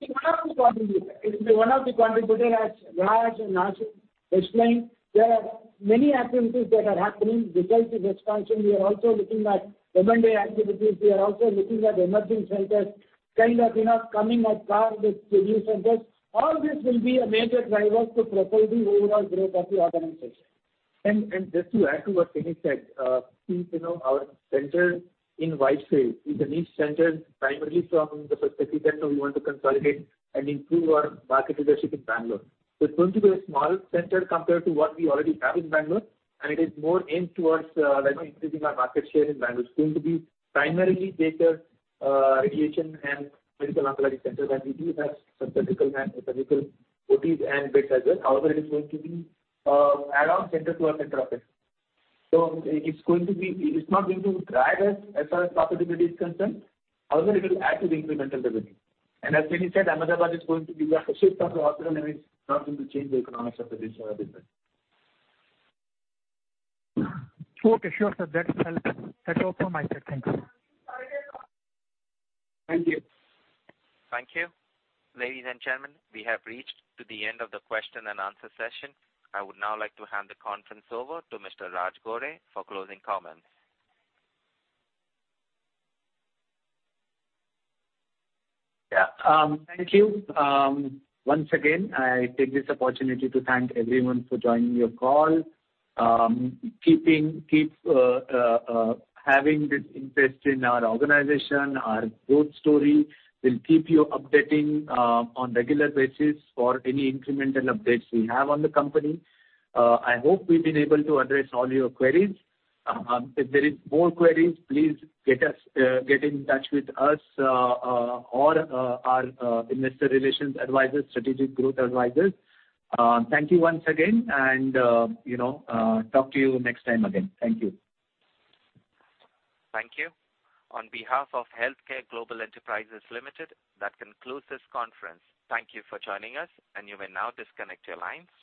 It's one of the contributors. It will be one of the contributor, as Raj and Ashish explained, there are many activities that are happening besides the expansion. We are also looking at M&A activities. We are also looking at emerging centers, kind of, you know, coming up with new centers. All this will be a major driver to propel the overall growth of the organization. Just to add to what Vinny said, since you know, our center in Whitefield is a niche center, primarily from the perspective that we want to consolidate and improve our market leadership in Bangalore. It's going to be a small center compared to what we already have in Bangalore, and it is more aimed towards, like increasing our market share in Bangalore. It's going to be primarily data, radiation and medical oncology center, and we do have some surgical and medical OTs and beds as well. It is going to be an add-on center to our center office. It's not going to drive us as far as profitability is concerned. It will add to the incremental revenue. As Vinny said, Ahmedabad is going to be a shift of the hospital, and it's not going to change the economics of the business. Okay, sure, sir. That's, that's all from my side. Thank you. Thank you. Thank you. Ladies and gentlemen, we have reached to the end of the question and answer session. I would now like to hand the conference over to Mr. Raj Gore for closing comments. Thank you. Once again, I take this opportunity to thank everyone for joining your call. Having this interest in our organization, our growth story. We'll keep you updating on regular basis for any incremental updates we have on the company. I hope we've been able to address all your queries. If there is more queries, please get in touch with us or our investor relations advisors, Strategic Growth Advisors. Thank you once again, you know, talk to you next time again. Thank you. Thank you. On behalf of HealthCare Global Enterprises Limited, that concludes this conference. Thank you for joining us. You may now disconnect your lines.